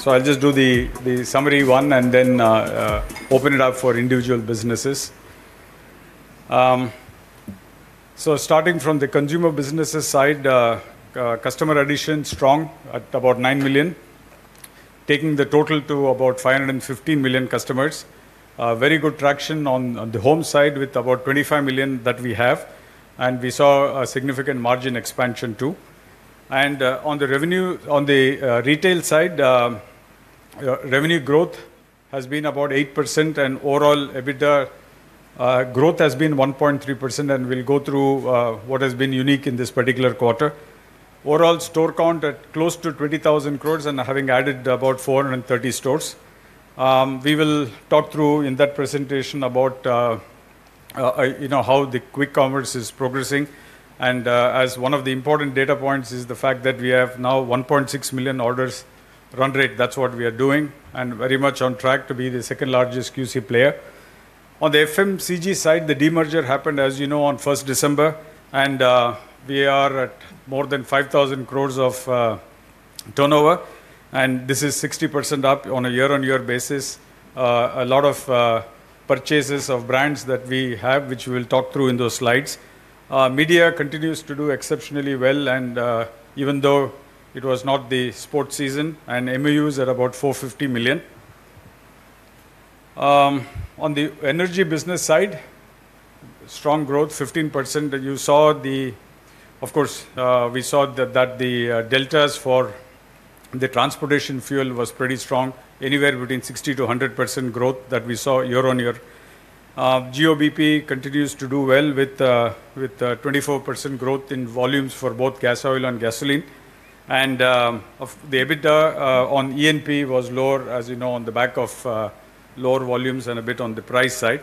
So I'll just do the summary one and then open it up for individual businesses. So starting from the consumer businesses side, customer addition strong at about nine million, taking the total to about 515 million customers. Very good traction on the home side with about 25 million that we have, and we saw a significant margin expansion too. And on the revenue, on the retail side, revenue growth has been about 8%, and overall EBITDA growth has been 1.3%. And we'll go through what has been unique in this particular quarter. Overall store count at close to 20,000 stores, and having added about 430 stores. We will talk through in that presentation about how the quick commerce is progressing. One of the important data points is the fact that we have now 1.6 million orders run rate, that's what we are doing, and very much on track to be the second largest QC player. On the FMCG side, the demerger happened, as you know, on 1st December, and we are at more than 5,000 crores of turnover, and this is 60% up on a year-on-year basis. A lot of purchases of brands that we have, which we'll talk through in those slides. Media continues to do exceptionally well, and even though it was not the sports season, and MAUs at about 450 million. On the energy business side, strong growth, 15%. You saw the, of course, we saw that the deltas for the transportation fuel was pretty strong, anywhere between 60%-100% growth that we saw year-on-year. Jio-bp continues to do well with 24% growth in volumes for both gas oil and gasoline. And the EBITDA on ENP was lower, as you know, on the back of lower volumes and a bit on the price side.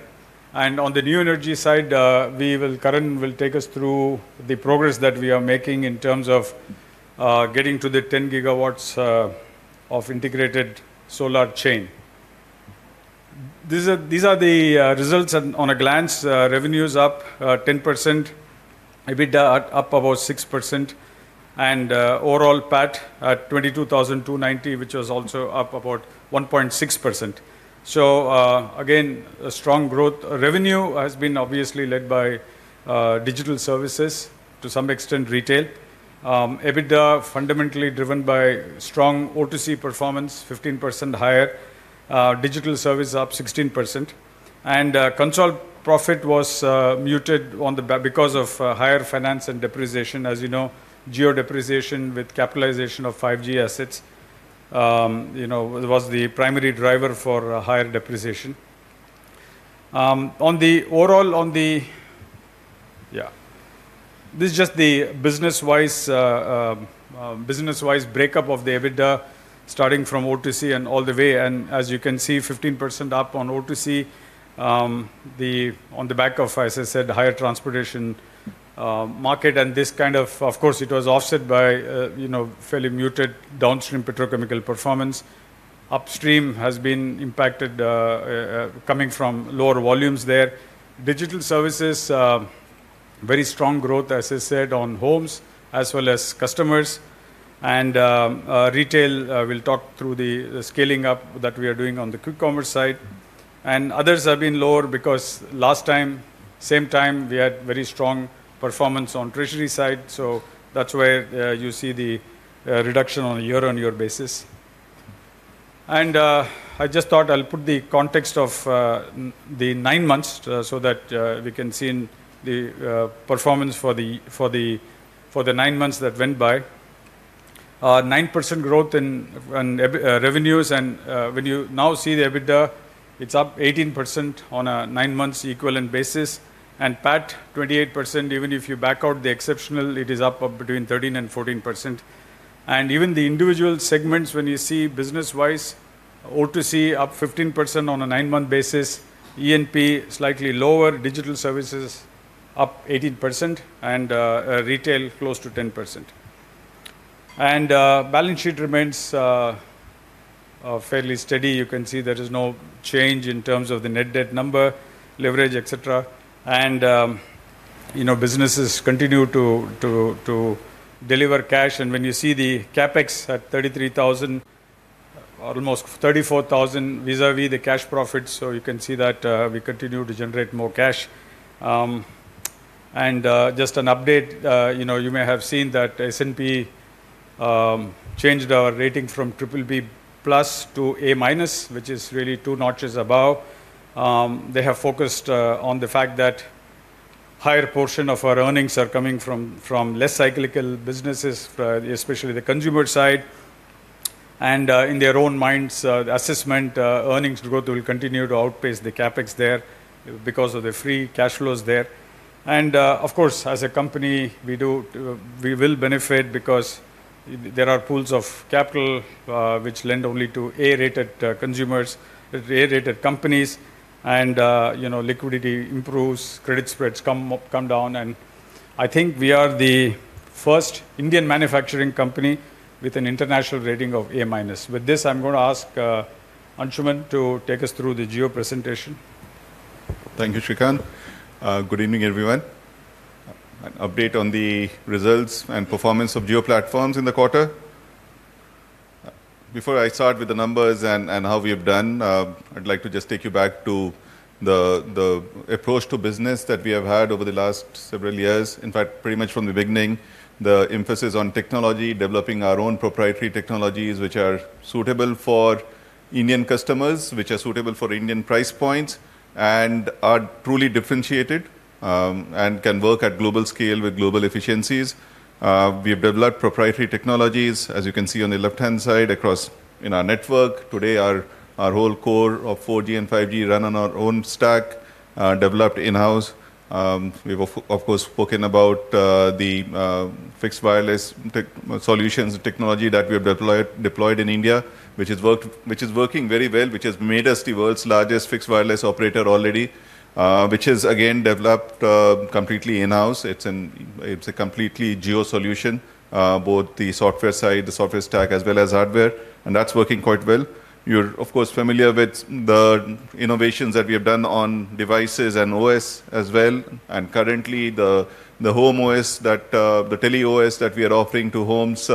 And on the new energy side, Karan will take us through the progress that we are making in terms of getting to the 10 gigawatts of integrated solar chain. These are the results at a glance: revenues up 10%, EBITDA up about 6%, and overall PAT at 22,290, which was also up about 1.6%. So again, strong growth. Revenue has been obviously led by digital services, to some extent retail. EBITDA fundamentally driven by strong O2C performance, 15% higher. Digital service up 16%. And consolidated profit was muted because of higher finance and depreciation. As you know, Jio depreciation with capitalization of 5G assets was the primary driver for higher depreciation. Yeah, this is just the business-wise breakup of the EBITDA starting from O2C and all the way. As you can see, 15% up on O2C on the back of, as I said, higher transportation market. This kind of, of course, it was offset by fairly muted downstream petrochemical performance. Upstream has been impacted coming from lower volumes there. Digital services, very strong growth, as I said, on homes as well as customers. Retail, we'll talk through the scaling up that we are doing on the quick commerce side. Others have been lower because last time, same time, we had very strong performance on treasury side. That's where you see the reduction on a year-on-year basis. I just thought I'll put the context of the nine months so that we can see the performance for the nine months that went by. 9% growth in revenues. When you now see the EBITDA, it's up 18% on a nine-month equivalent basis. PAT 28%, even if you back out the exceptional, it is up between 13% and 14%. Even the individual segments, when you see business-wise, O2C up 15% on a nine-month basis, E&P slightly lower, digital services up 18%, and retail close to 10%. Balance sheet remains fairly steady. You can see there is no change in terms of the net debt number, leverage, etc. Businesses continue to deliver cash. When you see the CapEx at 33,000, almost 34,000 vis-à-vis the cash profits, so you can see that we continue to generate more cash. Just an update, you may have seen that S&P changed our rating from BBB plus to A minus, which is really two notches above. They have focused on the fact that higher portion of our earnings are coming from less cyclical businesses, especially the consumer side. And in their own minds, assessment earnings growth will continue to outpace the CapEx there because of the free cash flows there. And of course, as a company, we will benefit because there are pools of capital which lend only to A-rated consumers, A-rated companies, and liquidity improves, credit spreads come down. And I think we are the first Indian manufacturing company with an international rating of A minus. With this, I'm going to ask Anshuman to take us through the Jio presentation. Thank you, Srikanth. Good evening, everyone. An update on the results and performance of Jio Platforms in the quarter. Before I start with the numbers and how we have done, I'd like to just take you back to the approach to business that we have had over the last several years. In fact, pretty much from the beginning, the emphasis on technology, developing our own proprietary technologies which are suitable for Indian customers, which are suitable for Indian price points, and are truly differentiated and can work at global scale with global efficiencies. We have developed proprietary technologies, as you can see on the left-hand side across our network. Today, our whole core of 4G and 5G run on our own stack, developed in-house. We have, of course, spoken about the fixed wireless solutions technology that we have deployed in India, which is working very well, which has made us the world's largest fixed wireless operator already, which is, again, developed completely in-house. It's a completely Jio solution, both the software side, the software stack, as well as hardware, and that's working quite well. You're, of course, familiar with the innovations that we have done on devices and OS as well. And currently, the home OS, the Tele OS that we are offering to homes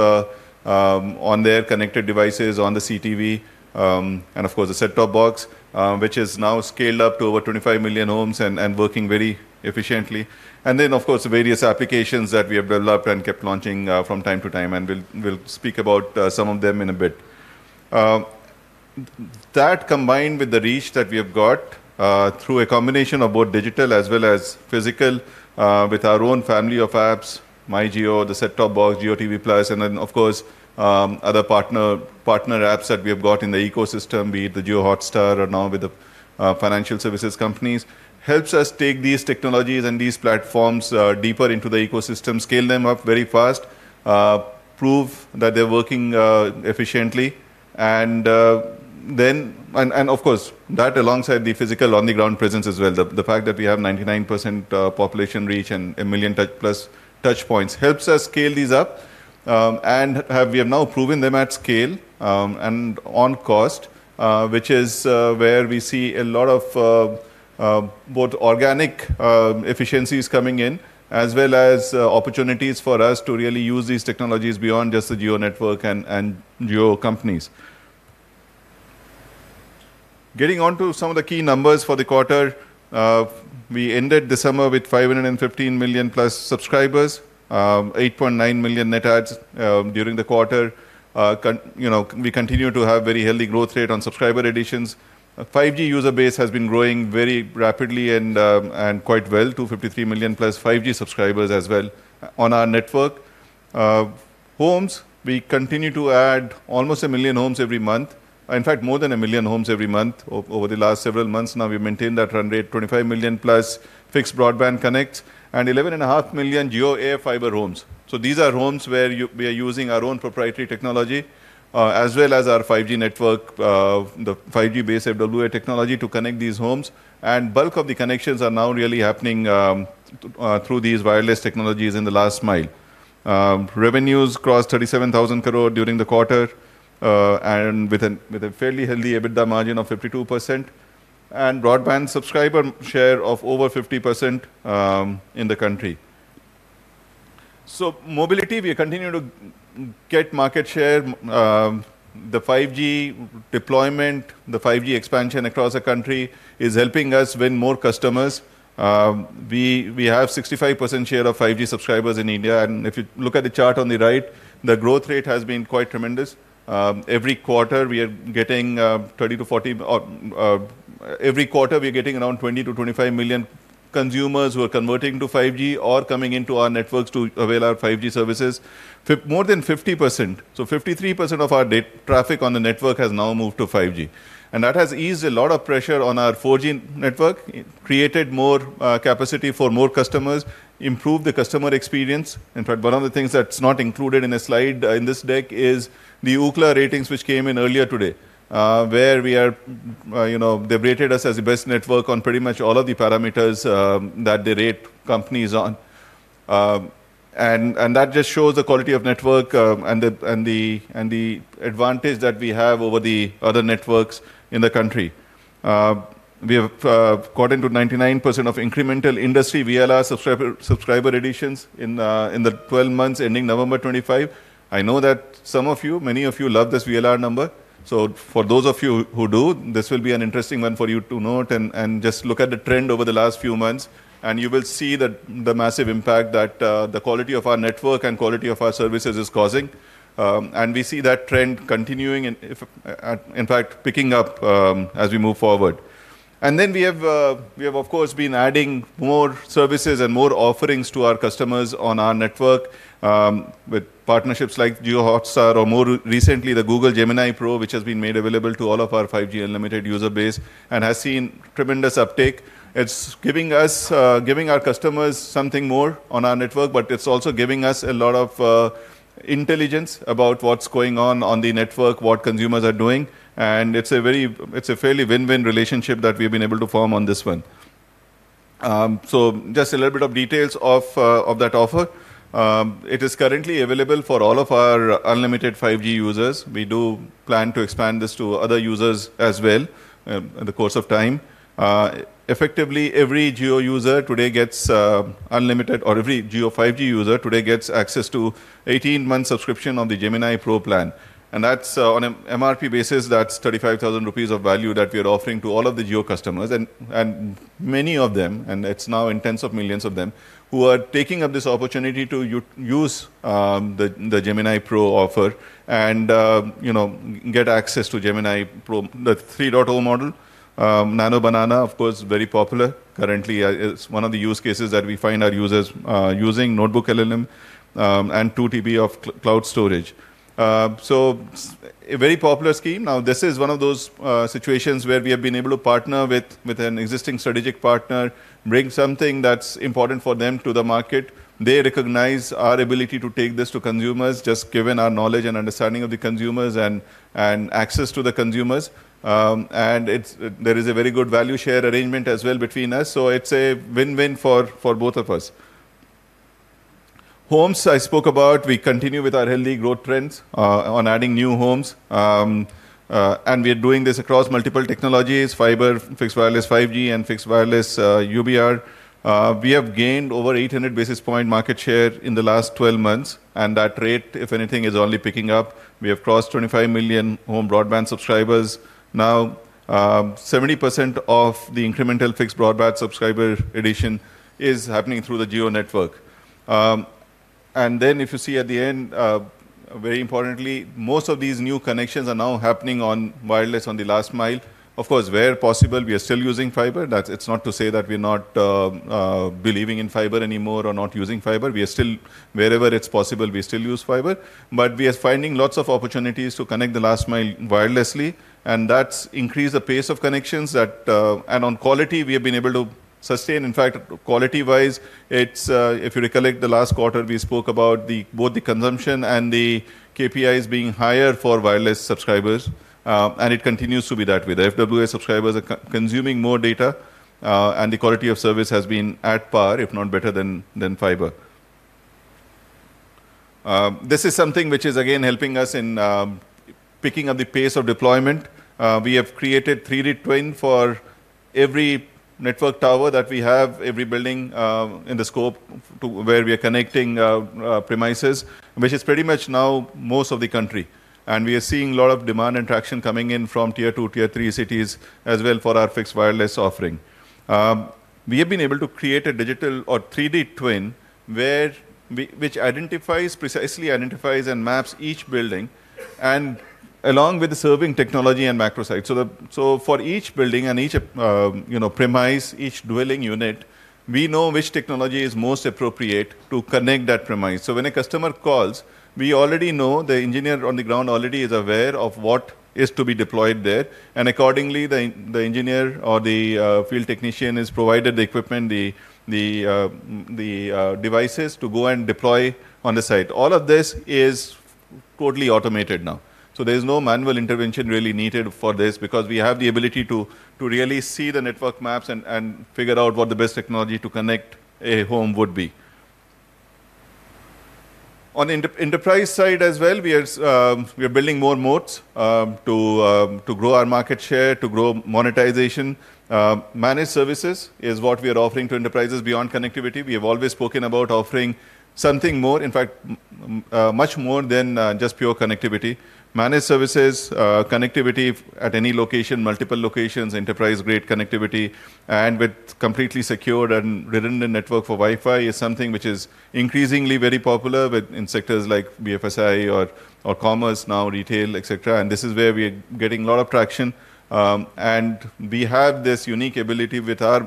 on their connected devices, on the CTV, and of course, the set-top box, which is now scaled up to over 25 million homes and working very efficiently. And then, of course, various applications that we have developed and kept launching from time to time, and we'll speak about some of them in a bit. That, combined with the reach that we have got through a combination of both digital as well as physical, with our own family of apps, MyJio, the set-top box, JioTV+, and then, of course, other partner apps that we have got in the ecosystem, be it the JioHotstar or now with the financial services companies, helps us take these technologies and these platforms deeper into the ecosystem, scale them up very fast, prove that they're working efficiently. Of course, that alongside the physical on-the-ground presence as well, the fact that we have 99% population reach and a million touch points helps us scale these up. And we have now proven them at scale and on cost, which is where we see a lot of both organic efficiencies coming in, as well as opportunities for us to really use these technologies beyond just the Jio network and Jio companies. Getting on to some of the key numbers for the quarter, we ended the summer with 515 million plus subscribers, 8.9 million net adds during the quarter. We continue to have very healthy growth rate on subscriber additions. 5G user base has been growing very rapidly and quite well, 253 million plus 5G subscribers as well on our network. Homes, we continue to add almost a million homes every month, in fact, more than a million homes every month over the last several months. Now we maintain that run rate, 25 million plus fixed broadband connects, and 11.5 million JioAirFiber homes. These are homes where we are using our own proprietary technology, as well as our 5G network, the 5G-based FWA technology to connect these homes. And bulk of the connections are now really happening through these wireless technologies in the last mile. Revenues crossed 37,000 crore during the quarter and with a fairly healthy EBITDA margin of 52% and broadband subscriber share of over 50% in the country. So mobility, we continue to get market share. The 5G deployment, the 5G expansion across the country is helping us win more customers. We have 65% share of 5G subscribers in India. And if you look at the chart on the right, the growth rate has been quite tremendous. Every quarter, we are getting 30-40, every quarter, we are getting around 20-25 million consumers who are converting to 5G or coming into our networks to avail our 5G services. More than 50%, so 53% of our traffic on the network has now moved to 5G, and that has eased a lot of pressure on our 4G network, created more capacity for more customers, improved the customer experience. In fact, one of the things that's not included in the slide in this deck is the Ookla ratings, which came in earlier today, where they rated us as the best network on pretty much all of the parameters that they rate companies on, and that just shows the quality of network and the advantage that we have over the other networks in the country. We have got into 99% of incremental industry VLR subscriber additions in the 12 months ending November 25. I know that some of you, many of you love this VLR number. So for those of you who do, this will be an interesting one for you to note and just look at the trend over the last few months. And you will see the massive impact that the quality of our network and quality of our services is causing. And we see that trend continuing, in fact, picking up as we move forward. And then we have, of course, been adding more services and more offerings to our customers on our network with partnerships like Jio Hotstar or more recently, the Google Gemini Pro, which has been made available to all of our 5G unlimited user base and has seen tremendous uptake. It's giving our customers something more on our network, but it's also giving us a lot of intelligence about what's going on on the network, what consumers are doing. And it's a fairly win-win relationship that we've been able to form on this one. So just a little bit of details of that offer. It is currently available for all of our unlimited 5G users. We do plan to expand this to other users as well in the course of time. Effectively, every Jio user today gets unlimited, or every Jio 5G user today gets access to 18-month subscription on the Gemini Pro plan. And on an MRP basis, that's 35,000 rupees of value that we are offering to all of the Jio customers. And many of them, and it's now in tens of millions of them, who are taking up this opportunity to use the Gemini Pro offer and get access to Gemini Pro, the 3.0 model, Gemini Nano, of course, very popular currently. It's one of the use cases that we find our users using, NotebookLM and 2TB of cloud storage. So a very popular scheme. Now, this is one of those situations where we have been able to partner with an existing strategic partner, bring something that's important for them to the market. They recognize our ability to take this to consumers, just given our knowledge and understanding of the consumers and access to the consumers. And there is a very good value share arrangement as well between us. So it's a win-win for both of us. Homes, I spoke about. We continue with our healthy growth trends on adding new homes, and we are doing this across multiple technologies: fiber, fixed wireless 5G, and fixed wireless UBR. We have gained over 800 basis points market share in the last 12 months, and that rate, if anything, is only picking up. We have crossed 25 million home broadband subscribers. Now, 70% of the incremental fixed broadband subscriber addition is happening through the GEO network, and then, if you see at the end, very importantly, most of these new connections are now happening on wireless on the last mile. Of course, where possible, we are still using fiber. It's not to say that we're not believing in fiber anymore or not using fiber. Wherever it's possible, we still use fiber. But we are finding lots of opportunities to connect the last mile wirelessly. That's increased the pace of connections and on quality we have been able to sustain. In fact, quality-wise, if you recollect the last quarter, we spoke about both the consumption and the KPIs being higher for wireless subscribers. It continues to be that way. The FWA subscribers are consuming more data, and the quality of service has been at par, if not better than fiber. This is something which is, again, helping us in picking up the pace of deployment. We have created 3D twin for every network tower that we have, every building in the scope where we are connecting premises, which is pretty much now most of the country. We are seeing a lot of demand and traction coming in from tier two, tier three cities as well for our fixed wireless offering. We have been able to create a digital or 3D twin which precisely identifies and maps each building along with the serving technology and macro site. So for each building and each premise, each dwelling unit, we know which technology is most appropriate to connect that premise. So when a customer calls, we already know the engineer on the ground already is aware of what is to be deployed there. And accordingly, the engineer or the field technician is provided the equipment, the devices to go and deploy on the site. All of this is totally automated now. So there is no manual intervention really needed for this because we have the ability to really see the network maps and figure out what the best technology to connect a home would be. On the enterprise side as well, we are building more modes to grow our market share, to grow monetization. Managed services is what we are offering to enterprises beyond connectivity. We have always spoken about offering something more, in fact, much more than just pure connectivity. Managed services, connectivity at any location, multiple locations, enterprise-grade connectivity, and with completely secure and redundant network for Wi-Fi is something which is increasingly very popular in sectors like BFSI or commerce, now retail, etc. This is where we are getting a lot of traction. We have this unique ability with our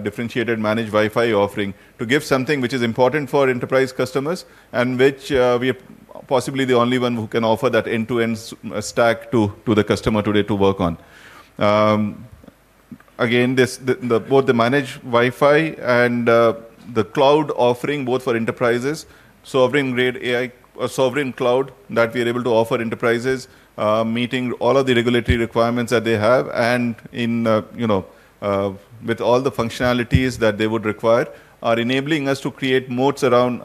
differentiated managed Wi-Fi offering to give something which is important for enterprise customers and which we are possibly the only one who can offer that end-to-end stack to the customer today to work on. Again, both the managed Wi-Fi and the cloud offering both for enterprises, sovereign cloud that we are able to offer enterprises, meeting all of the regulatory requirements that they have and with all the functionalities that they would require, are enabling us to create moats around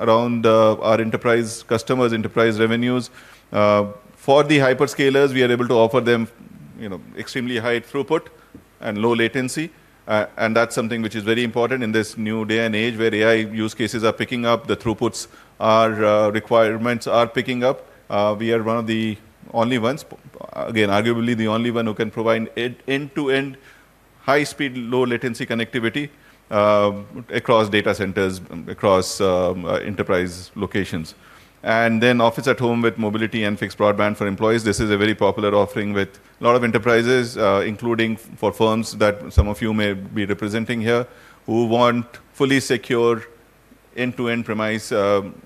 our enterprise customers, enterprise revenues. For the hyperscalers, we are able to offer them extremely high throughput and low latency. And that's something which is very important in this new day and age where AI use cases are picking up, the throughput requirements are picking up. We are one of the only ones, again, arguably the only one who can provide end-to-end high-speed, low-latency connectivity across data centers, across enterprise locations. And then office at home with mobility and fixed broadband for employees. This is a very popular offering with a lot of enterprises, including for firms that some of you may be representing here, who want fully secure end-to-end premise home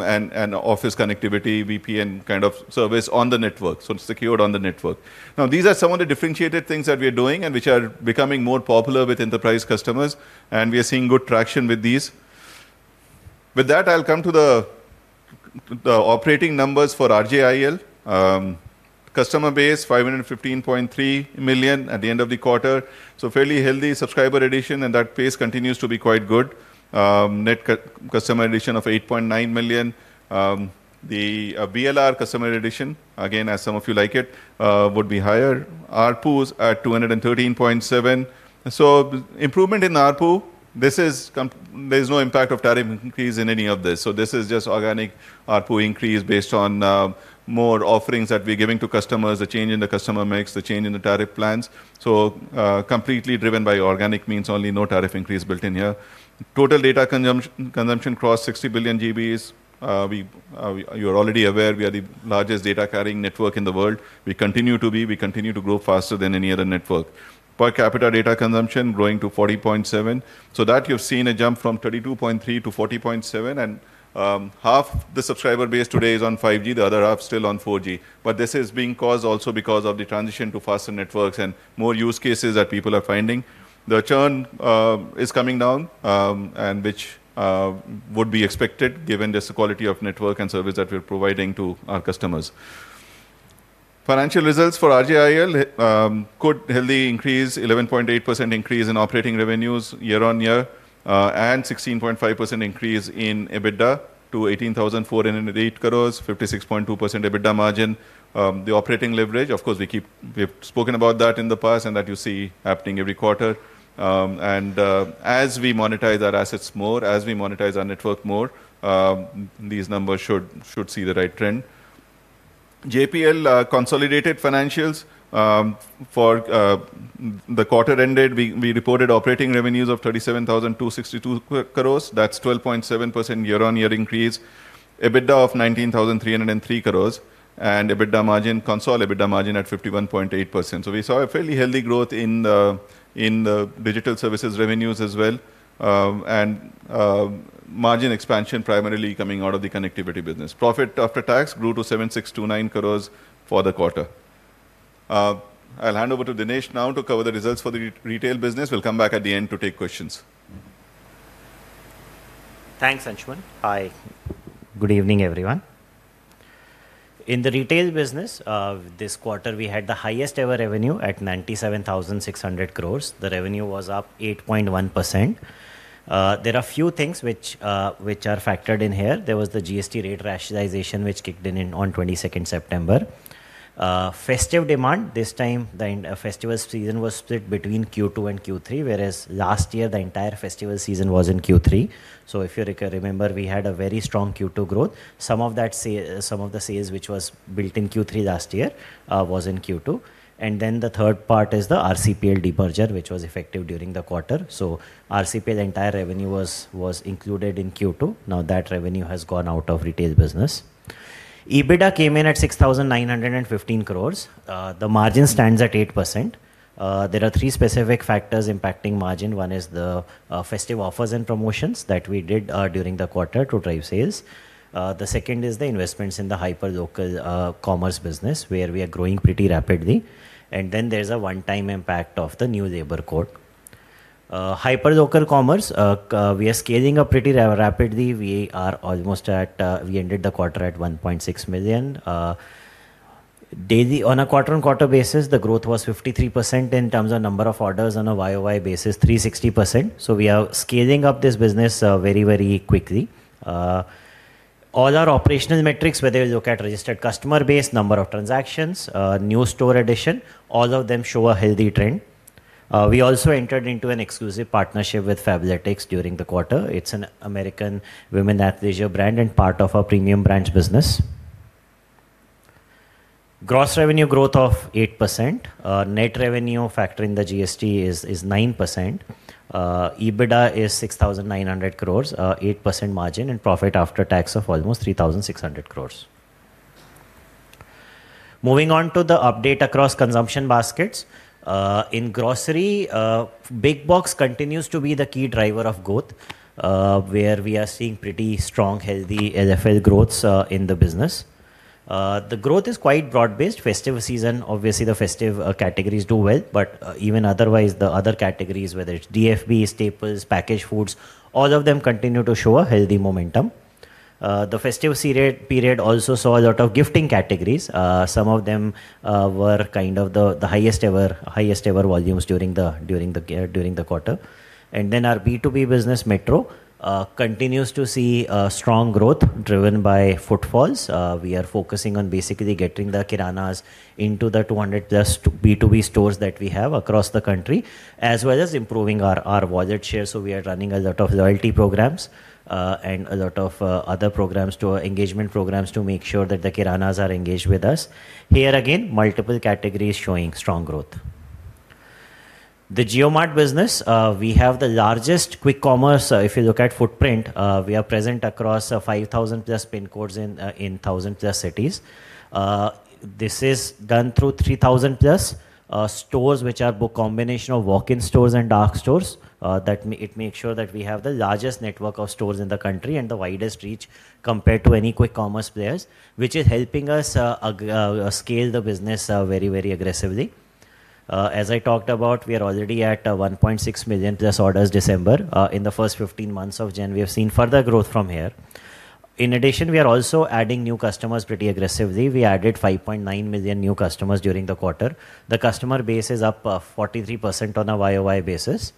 and office connectivity, VPN kind of service on the network, so it's secured on the network. Now, these are some of the differentiated things that we are doing and which are becoming more popular with enterprise customers. And we are seeing good traction with these. With that, I'll come to the operating numbers for RJIL. Customer base, 515.3 million at the end of the quarter. So fairly healthy subscriber addition, and that pace continues to be quite good. Net customer addition of 8.9 million. The BLR customer addition, again, as some of you like it, would be higher. ARPUs at 213.7. So improvement in ARPU. There's no impact of tariff increase in any of this. So this is just organic ARPU increase based on more offerings that we're giving to customers, the change in the customer mix, the change in the tariff plans. So completely driven by organic means, only no tariff increase built in here. Total data consumption crossed 60 billion GBs. You are already aware, we are the largest data carrying network in the world. We continue to be. We continue to grow faster than any other network. Per capita data consumption growing to 40.7. So that you've seen a jump from 32.3 to 40.7. And half the subscriber base today is on 5G. The other half still on 4G. But this is being caused also because of the transition to faster networks and more use cases that people are finding. The churn is coming down, which would be expected given just the quality of network and service that we're providing to our customers. Financial results for RJIL could heavily increase, 11.8% increase in operating revenues year on year, and 16.5% increase in EBITDA to 18,488 crores, 56.2% EBITDA margin. The operating leverage, of course, we've spoken about that in the past and that you see happening every quarter, and as we monetize our assets more, as we monetize our network more, these numbers should see the right trend. JPL consolidated financials for the quarter ended. We reported operating revenues of 37,262 crores. That's 12.7% year-on-year increase. EBITDA of 19,303 crores and consolidated EBITDA margin at 51.8%, so we saw a fairly healthy growth in the digital services revenues as well, and margin expansion primarily coming out of the connectivity business. Profit after tax grew to 7,629 crores for the quarter. I'll hand over to Dinesh now to cover the results for the retail business. We'll come back at the end to take questions. Thanks, Anshuman. Hi. Good evening, everyone. In the retail business, this quarter we had the highest ever revenue at 97,600 crores. The revenue was up 8.1%. There are a few things which are factored in here. There was the GST rate rationalization which kicked in on 22nd September. Festive demand, this time the festival season was split between Q2 and Q3, whereas last year the entire festival season was in Q3. So if you remember, we had a very strong Q2 growth. Some of the sales which was built in Q3 last year was in Q2. And then the third part is the RCPL departure which was effective during the quarter. So RCPL entire revenue was included in Q2. Now, that revenue has gone out of retail business. EBITDA came in at 6,915 crores. The margin stands at 8%. There are three specific factors impacting margin. One is the festive offers and promotions that we did during the quarter to drive sales. The second is the investments in the hyperlocal commerce business where we are growing pretty rapidly. And then there's a one-time impact of the new labor code. Hyperlocal commerce, we are scaling up pretty rapidly. We ended the quarter at 1.6 million. On a quarter-on-quarter basis, the growth was 53% in terms of number of orders. On a YOY basis, 360%. So we are scaling up this business very, very quickly. All our operational metrics, whether you look at registered customer base, number of transactions, new store addition, all of them show a healthy trend. We also entered into an exclusive partnership with Fabletics during the quarter. It's an American women athleisure brand and part of our premium brands business. Gross revenue growth of 8%. Net revenue factor in the GST is 9%. EBITDA is 6,900 crores, 8% margin and profit after tax of almost 3,600 crores. Moving on to the update across consumption baskets. In grocery, big box continues to be the key driver of growth, where we are seeing pretty strong, healthy LFL growth in the business. The growth is quite broad-based. Festive season, obviously the festive categories do well, but even otherwise, the other categories, whether it's DFB, staples, packaged foods, all of them continue to show a healthy momentum. The festive period also saw a lot of gifting categories. Some of them were kind of the highest-ever volumes during the quarter. Then our B2B business, Metro, continues to see strong growth driven by footfalls. We are focusing on basically getting the kiranas into the 200-plus B2B stores that we have across the country, as well as improving our wallet share, so we are running a lot of loyalty programs and a lot of other engagement programs to make sure that the kiranas are engaged with us. Here, again, multiple categories showing strong growth. The JioMart business, we have the largest quick commerce. If you look at footprint, we are present across 5,000-plus pin codes in 1,000-plus cities. This is done through 3,000-plus stores which are a combination of walk-in stores and dark stores. It makes sure that we have the largest network of stores in the country and the widest reach compared to any quick commerce players, which is helping us scale the business very, very aggressively. As I talked about, we are already at 1.6 million-plus orders December. In the first 15 months of January, we have seen further growth from here. In addition, we are also adding new customers pretty aggressively. We added 5.9 million new customers during the quarter. The customer base is up 43% on a YOY basis.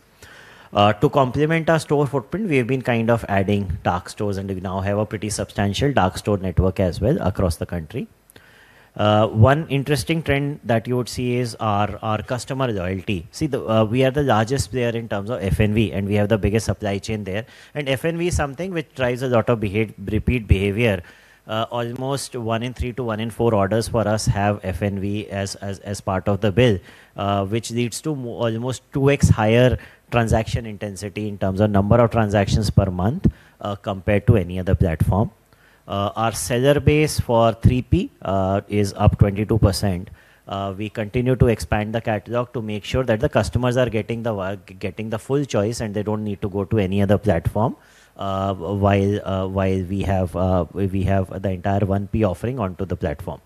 To complement our store footprint, we have been kind of adding dark stores, and we now have a pretty substantial dark store network as well across the country. One interesting trend that you would see is our customer loyalty. See, we are the largest player in terms of FNV, and we have the biggest supply chain there. And FNV is something which drives a lot of repeat behavior. Almost one in three to one in four orders for us have FNV as part of the bill, which leads to almost 2x higher transaction intensity in terms of number of transactions per month compared to any other platform. Our seller base for 3P is up 22%. We continue to expand the catalog to make sure that the customers are getting the full choice, and they don't need to go to any other platform while we have the entire 1P offering onto the platform.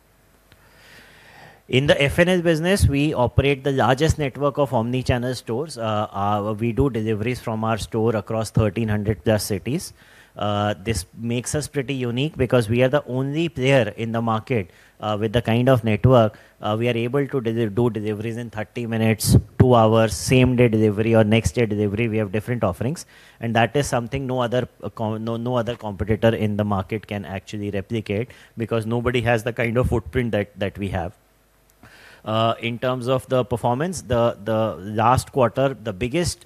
In the FNL business, we operate the largest network of omnichannel stores. We do deliveries from our store across 1,300-plus cities. This makes us pretty unique because we are the only player in the market with the kind of network. We are able to do deliveries in 30 minutes, two hours, same-day delivery, or next-day delivery. We have different offerings, and that is something no other competitor in the market can actually replicate because nobody has the kind of footprint that we have. In terms of the performance, the last quarter, the biggest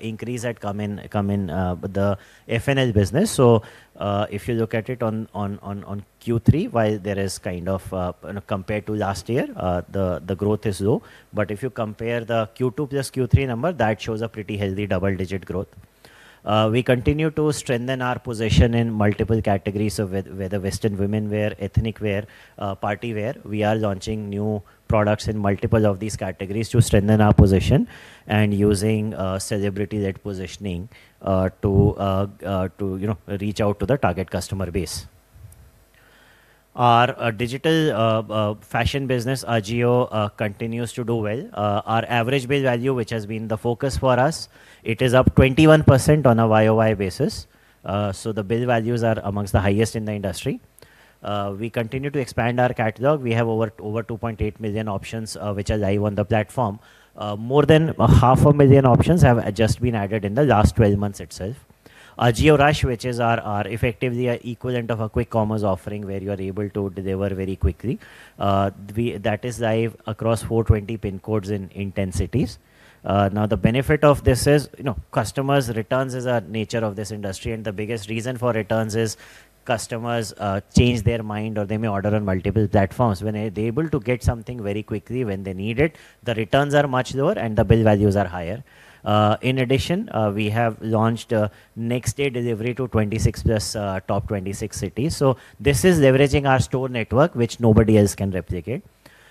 increase had come in the FNL business. If you look at it on Q3, while there is kind of compared to last year, the growth is low. But if you compare the Q2 plus Q3 number, that shows a pretty healthy double-digit growth. We continue to strengthen our position in multiple categories of women's Western wear, ethnic wear, party wear. We are launching new products in multiple of these categories to strengthen our position and using celebrity-led positioning to reach out to the target customer base. Our digital fashion business, Ajio, continues to do well. Our average bill value, which has been the focus for us, it is up 21% on a YOY basis. So the bill values are among the highest in the industry. We continue to expand our catalog. We have over 2.8 million options which are live on the platform. More than 500,000 options have just been added in the last 12 months itself. Our Jio Rush which is effectively an equivalent of a quick commerce offering where you are able to deliver very quickly. That is live across 420 pin codes in 10 cities. Now, the benefit of this is customers' returns is the nature of this industry. And the biggest reason for returns is customers change their mind or they may order on multiple platforms. When they are able to get something very quickly when they need it, the returns are much lower and the bill values are higher. In addition, we have launched next-day delivery to 26 plus top 26 cities. So this is leveraging our store network, which nobody else can replicate.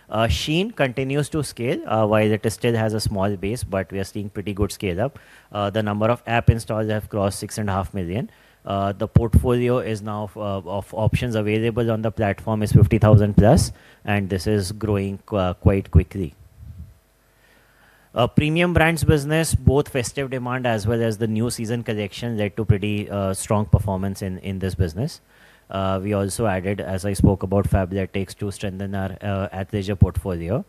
Shein continues to scale while it still has a small base, but we are seeing pretty good scale-up. The number of app installs have crossed 6.5 million. The portfolio is now of options available on the platform is 50,000 plus, and this is growing quite quickly. Premium brands business, both festive demand as well as the new season collection led to pretty strong performance in this business. We also added, as I spoke about, Fabletics to strengthen our athleisure portfolio.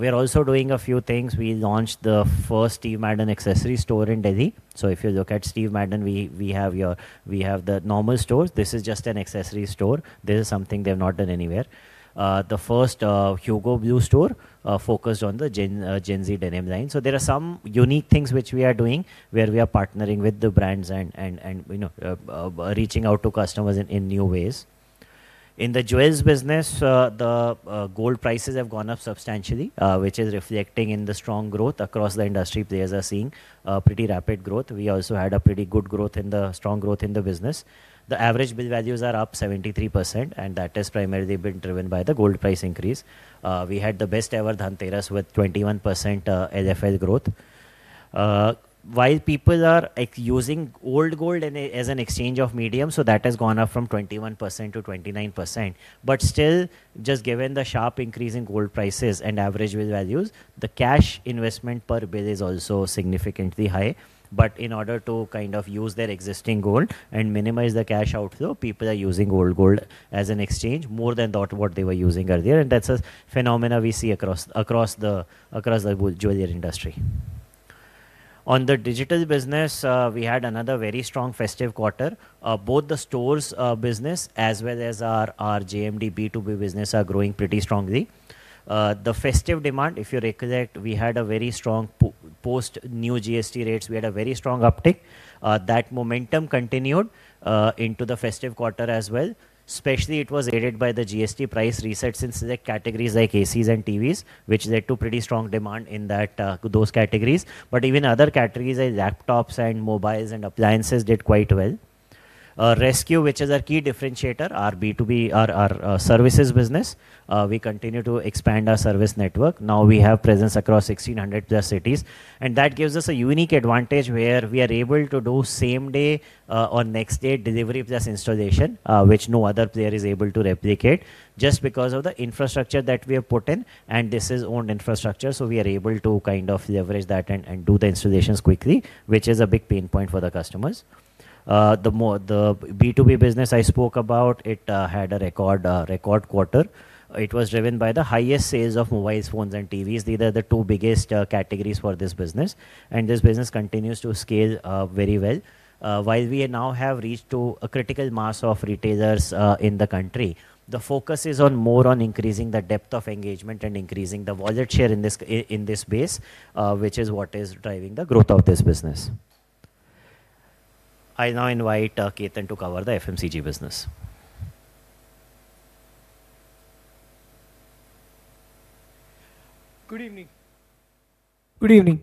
We are also doing a few things. We launched the first Steve Madden accessory store in Delhi. So if you look at Steve Madden, we have the normal stores. This is just an accessory store. This is something they have not done anywhere. The first Hugo Blue store focused on the Gen Z denim line. So there are some unique things which we are doing where we are partnering with the brands and reaching out to customers in new ways. In the jewels business, the gold prices have gone up substantially, which is reflecting in the strong growth across the industry. Players are seeing pretty rapid growth. We also had a pretty good growth in the strong growth in the business. The average bill values are up 73%, and that has primarily been driven by the gold price increase. We had the best ever Dhanteras with 21% LFL growth. While people are using old gold as an exchange of medium, so that has gone up from 21% to 29%. But still, just given the sharp increase in gold prices and average bill values, the cash investment per bill is also significantly high. But in order to kind of use their existing gold and minimize the cash outflow, people are using old gold as an exchange more than what they were using earlier. That's a phenomenon we see across the jewelry industry. On the digital business, we had another very strong festive quarter. Both the stores business as well as our JMD B2B business are growing pretty strongly. The festive demand, if you recollect, we had a very strong post new GST rates. We had a very strong uptick. That momentum continued into the festive quarter as well. Especially, it was aided by the GST price reset since the categories like ACs and TVs, which led to pretty strong demand in those categories. But even other categories like laptops and mobiles and appliances did quite well. Rescue, which is our key differentiator, our B2B, our services business, we continue to expand our service network. Now we have presence across 1,600-plus cities. That gives us a unique advantage where we are able to do same-day or next-day delivery of this installation, which no other player is able to replicate just because of the infrastructure that we have put in. This is owned infrastructure. We are able to kind of leverage that and do the installations quickly, which is a big pain point for the customers. The B2B business I spoke about, it had a record quarter. It was driven by the highest sales of mobiles, phones, and TVs. These are the two biggest categories for this business. This business continues to scale very well. While we now have reached a critical mass of retailers in the country, the focus is more on increasing the depth of engagement and increasing the wallet share in this base, which is what is driving the growth of this business. I'll now invite Ketan to cover the FMCG business. Good evening. Good evening.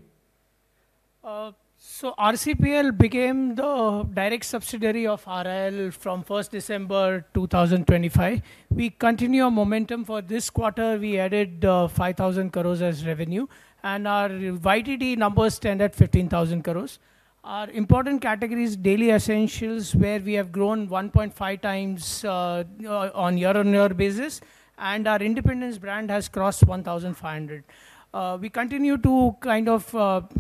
So RCPL became the direct subsidiary of RIL from 1st December 2025. We continue our momentum for this quarter. We added 5,000 crores as revenue. And our YTD numbers stand at 15,000 crores. Our important category is daily essentials, where we have grown 1.5 times on year-on-year basis. And our Independence brand has crossed 1,500. We continue to kind of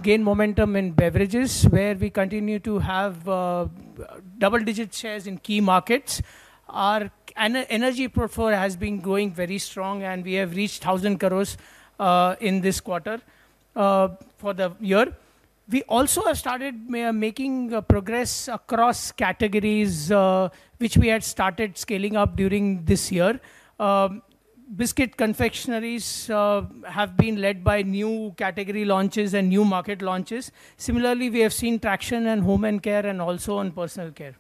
gain momentum in beverages, where we continue to have double-digit shares in key markets. Our energy portfolio has been growing very strong, and we have reached 1,000 crores in this quarter for the year. We also have started making progress across categories, which we had started scaling up during this year. Biscuit confectioneries have been led by new category launches and new market launches. Similarly, we have seen traction in home and care and also in personal care.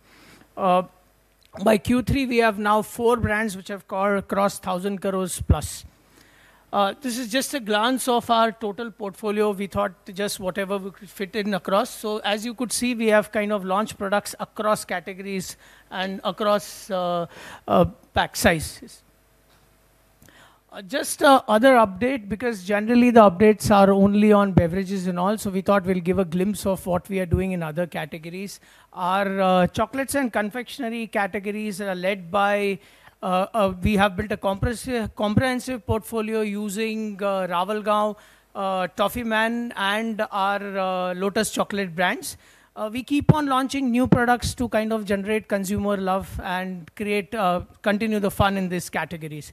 By Q3, we have now four brands which have crossed 1,000 crores plus. This is just a glance of our total portfolio. We thought just whatever we could fit in across. So as you could see, we have kind of launched products across categories and across pack sizes. Just another update, because generally the updates are only on beverages and all, so we thought we'll give a glimpse of what we are doing in other categories. Our chocolates and confectionery categories are led by we have built a comprehensive portfolio using Ravalgaon, Toffyman, and our Lotus chocolate brands. We keep on launching new products to kind of generate consumer love and continue the fun in these categories.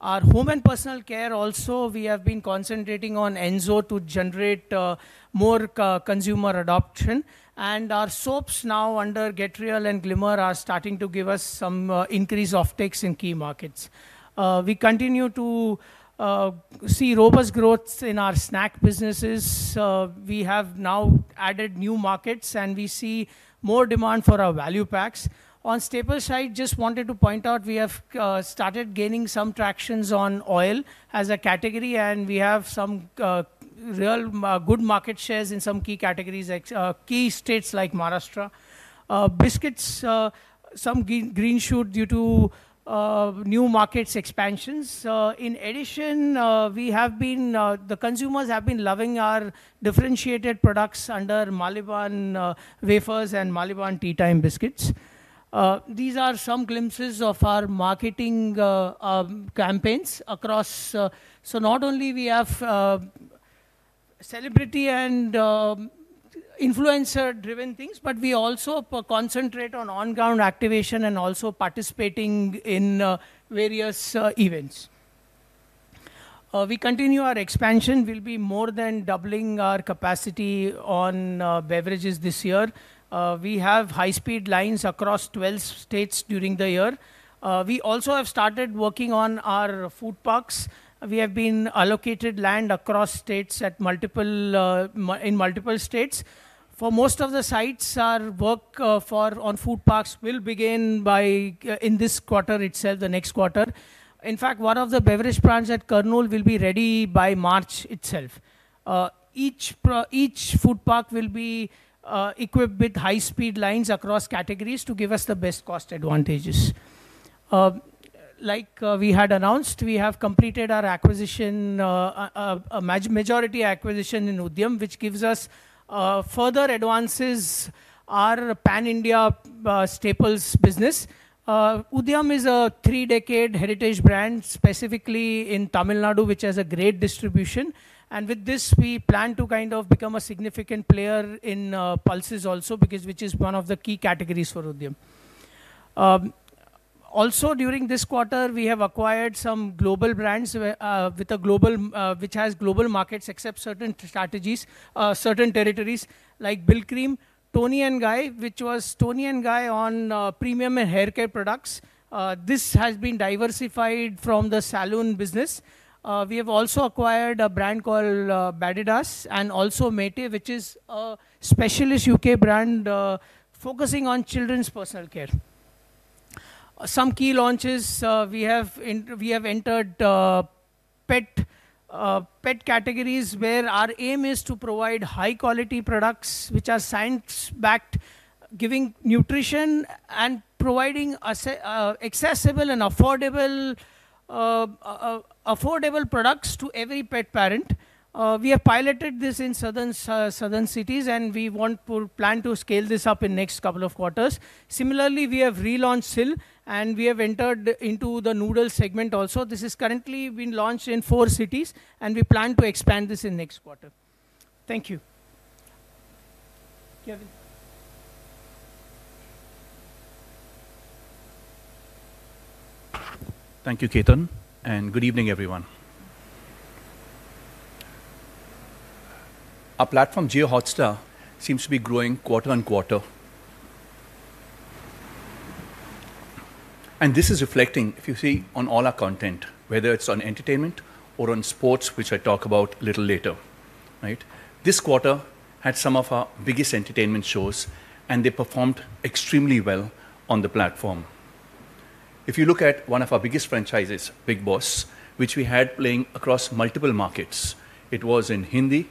Our home and personal care also, we have been concentrating on Enzo to generate more consumer adoption. And our soaps now under Get Real and Glimmer are starting to give us some increase of takes in key markets. We continue to see robust growth in our snack businesses. We have now added new markets, and we see more demand for our value packs. On staples side, just wanted to point out we have started gaining some tractions on oil as a category, and we have some real good market shares in some key categories, key states like Maharashtra. Biscuits, some green shoot due to new markets expansions. In addition, the consumers have been loving our differentiated products under Maliban wafers and Maliban tea time biscuits. These are some glimpses of our marketing campaigns across. So not only do we have celebrity and influencer-driven things, but we also concentrate on on-ground activation and also participating in various events. We continue our expansion. We'll be more than doubling our capacity on beverages this year. We have high-speed lines across 12 states during the year. We also have started working on our food parks. We have been allocated land across states in multiple states. For most of the sites, our work on food parks will begin in this quarter itself, the next quarter. In fact, one of the beverage plants at Kurnool will be ready by March itself. Each food park will be equipped with high-speed lines across categories to give us the best cost advantages. Like we had announced, we have completed our majority acquisition in Udhaiyam, which gives us further advances, our pan-India staples business. Udhaiyam is a three-decade heritage brand, specifically in Tamil Nadu, which has a great distribution. And with this, we plan to kind of become a significant player in pulses also, which is one of the key categories for Udhaiyam. Also, during this quarter, we have acquired some global brands which have global markets except certain territories like Brylcreem, Toni & Guy, which was Toni & Guy on premium and haircare products. This has been diversified from the saloon business. We have also acquired a brand called Badedas and also Matey, which is a specialist UK brand focusing on children's personal care. Some key launches we have entered pet categories where our aim is to provide high-quality products which are science-backed, giving nutrition and providing accessible and affordable products to every pet parent. We have piloted this in southern cities, and we plan to scale this up in the next couple of quarters. Similarly, we have relaunched SIL, and we have entered into the noodle segment also. This has currently been launched in four cities, and we plan to expand this in the next quarter. Thank you. Kevin. Thank you, Ketan. And good evening, everyone. Our platform, JioHotstar, seems to be growing quarter on quarter. And this is reflecting, if you see, on all our content, whether it's on entertainment or on sports, which I'll talk about a little later. This quarter had some of our biggest entertainment shows, and they performed extremely well on the platform. If you look at one of our biggest franchises, Bigg Boss, which we had playing across multiple markets, it was in Hindi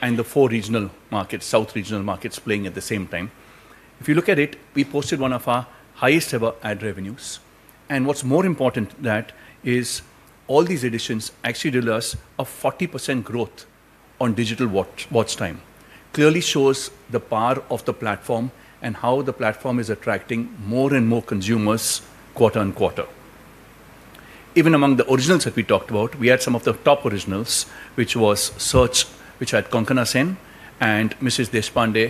and the four regional markets, South regional markets playing at the same time. If you look at it, we posted one of our highest-ever ad revenues. What's more important than that is all these additions actually deliver us a 40% growth on digital watch time. Clearly shows the power of the platform and how the platform is attracting more and more consumers quarter on quarter. Even among the originals that we talked about, we had some of the top originals, which was Shekhar, which had Konkana Sen, and Mrs. Deshpande,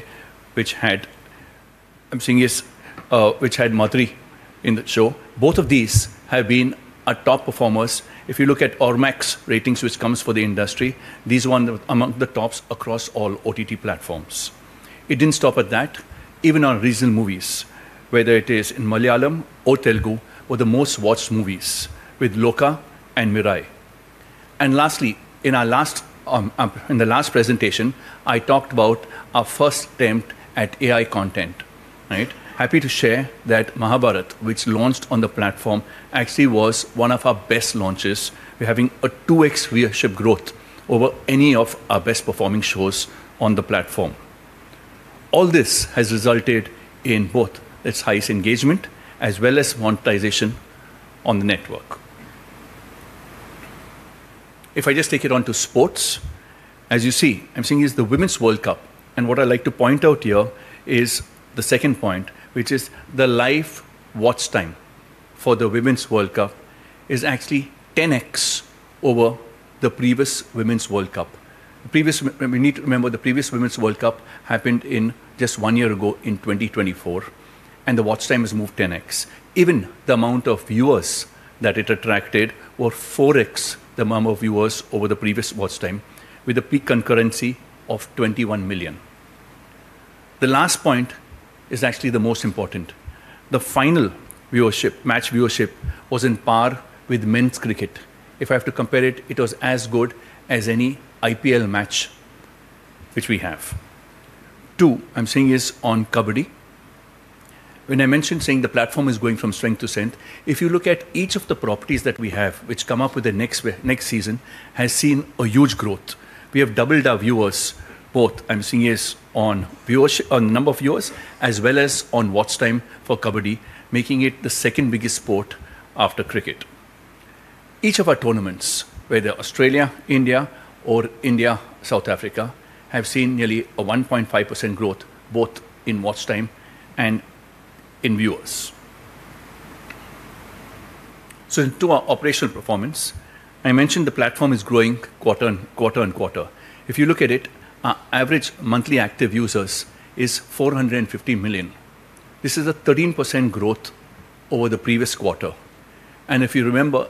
which had Madhuri in the show. Both of these have been top performers. If you look at Ormax ratings, which comes for the industry, these are among the tops across all OTT platforms. It didn't stop at that. Even our regional movies, whether it is in Malayalam or Telugu, were the most-watched movies with Lokha and Mirai. And lastly, in the last presentation, I talked about our first attempt at AI content. Happy to share that Mahabharat, which launched on the platform, actually was one of our best launches, having a 2x viewership growth over any of our best-performing shows on the platform. All this has resulted in both its highest engagement as well as monetization on the network. If I just take it on to sports, as you see, it's the Women's World Cup, and what I'd like to point out here is the second point, which is the live watch time for the Women's World Cup is actually 10x over the previous Women's World Cup. We need to remember the previous Women's World Cup happened just one year ago in 2024, and the watch time has moved 10x. Even the amount of viewers that it attracted were 4x the number of viewers over the previous watch time, with a peak concurrency of 21 million. The last point is actually the most important. The final match viewership was on par with men's cricket. If I have to compare it, it was as good as any IPL match, which we have. Two, I'm seeing is on Kabaddi. When I mentioned seeing the platform is going from strength to strength, if you look at each of the properties that we have, which come up with the next season, has seen a huge growth. We have doubled our viewers, both I'm seeing is on number of viewers as well as on watch time for Kabaddi, making it the second biggest sport after cricket. Each of our tournaments, whether Australia, India, or India, South Africa, have seen nearly a 1.5% growth both in watch time and in viewers. So to our operational performance, I mentioned the platform is growing quarter on quarter. If you look at it, our average monthly active users is 450 million. This is a 13% growth over the previous quarter, and if you remember,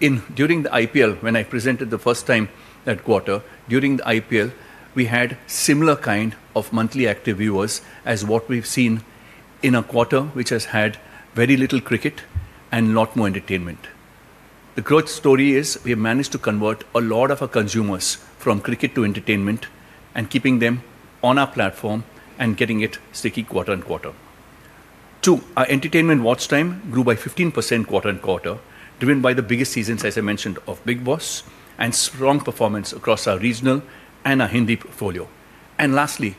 during the IPL, when I presented the first time that quarter, during the IPL, we had similar kind of monthly active viewers as what we've seen in a quarter which has had very little cricket and a lot more entertainment. The growth story is we have managed to convert a lot of our consumers from cricket to entertainment and keeping them on our platform and getting it sticky quarter on quarter. Two, our entertainment watch time grew by 15% quarter on quarter, driven by the biggest seasons, as I mentioned, of Bigg Boss and strong performance across our regional and our Hindi portfolio, and lastly,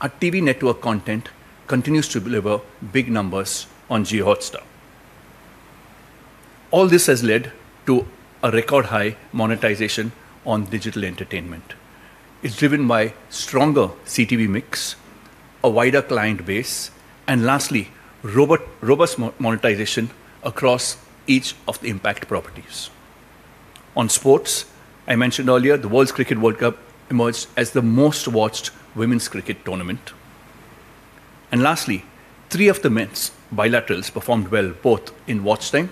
our TV network content continues to deliver big numbers on JioHotstar. All this has led to a record high monetization on digital entertainment. It's driven by stronger CTV mix, a wider client base, and lastly, robust monetization across each of the impact properties. On sports, I mentioned earlier, the Women's Cricket World Cup emerged as the most-watched women's cricket tournament. Lastly, three of the men's bilaterals performed well both in watch time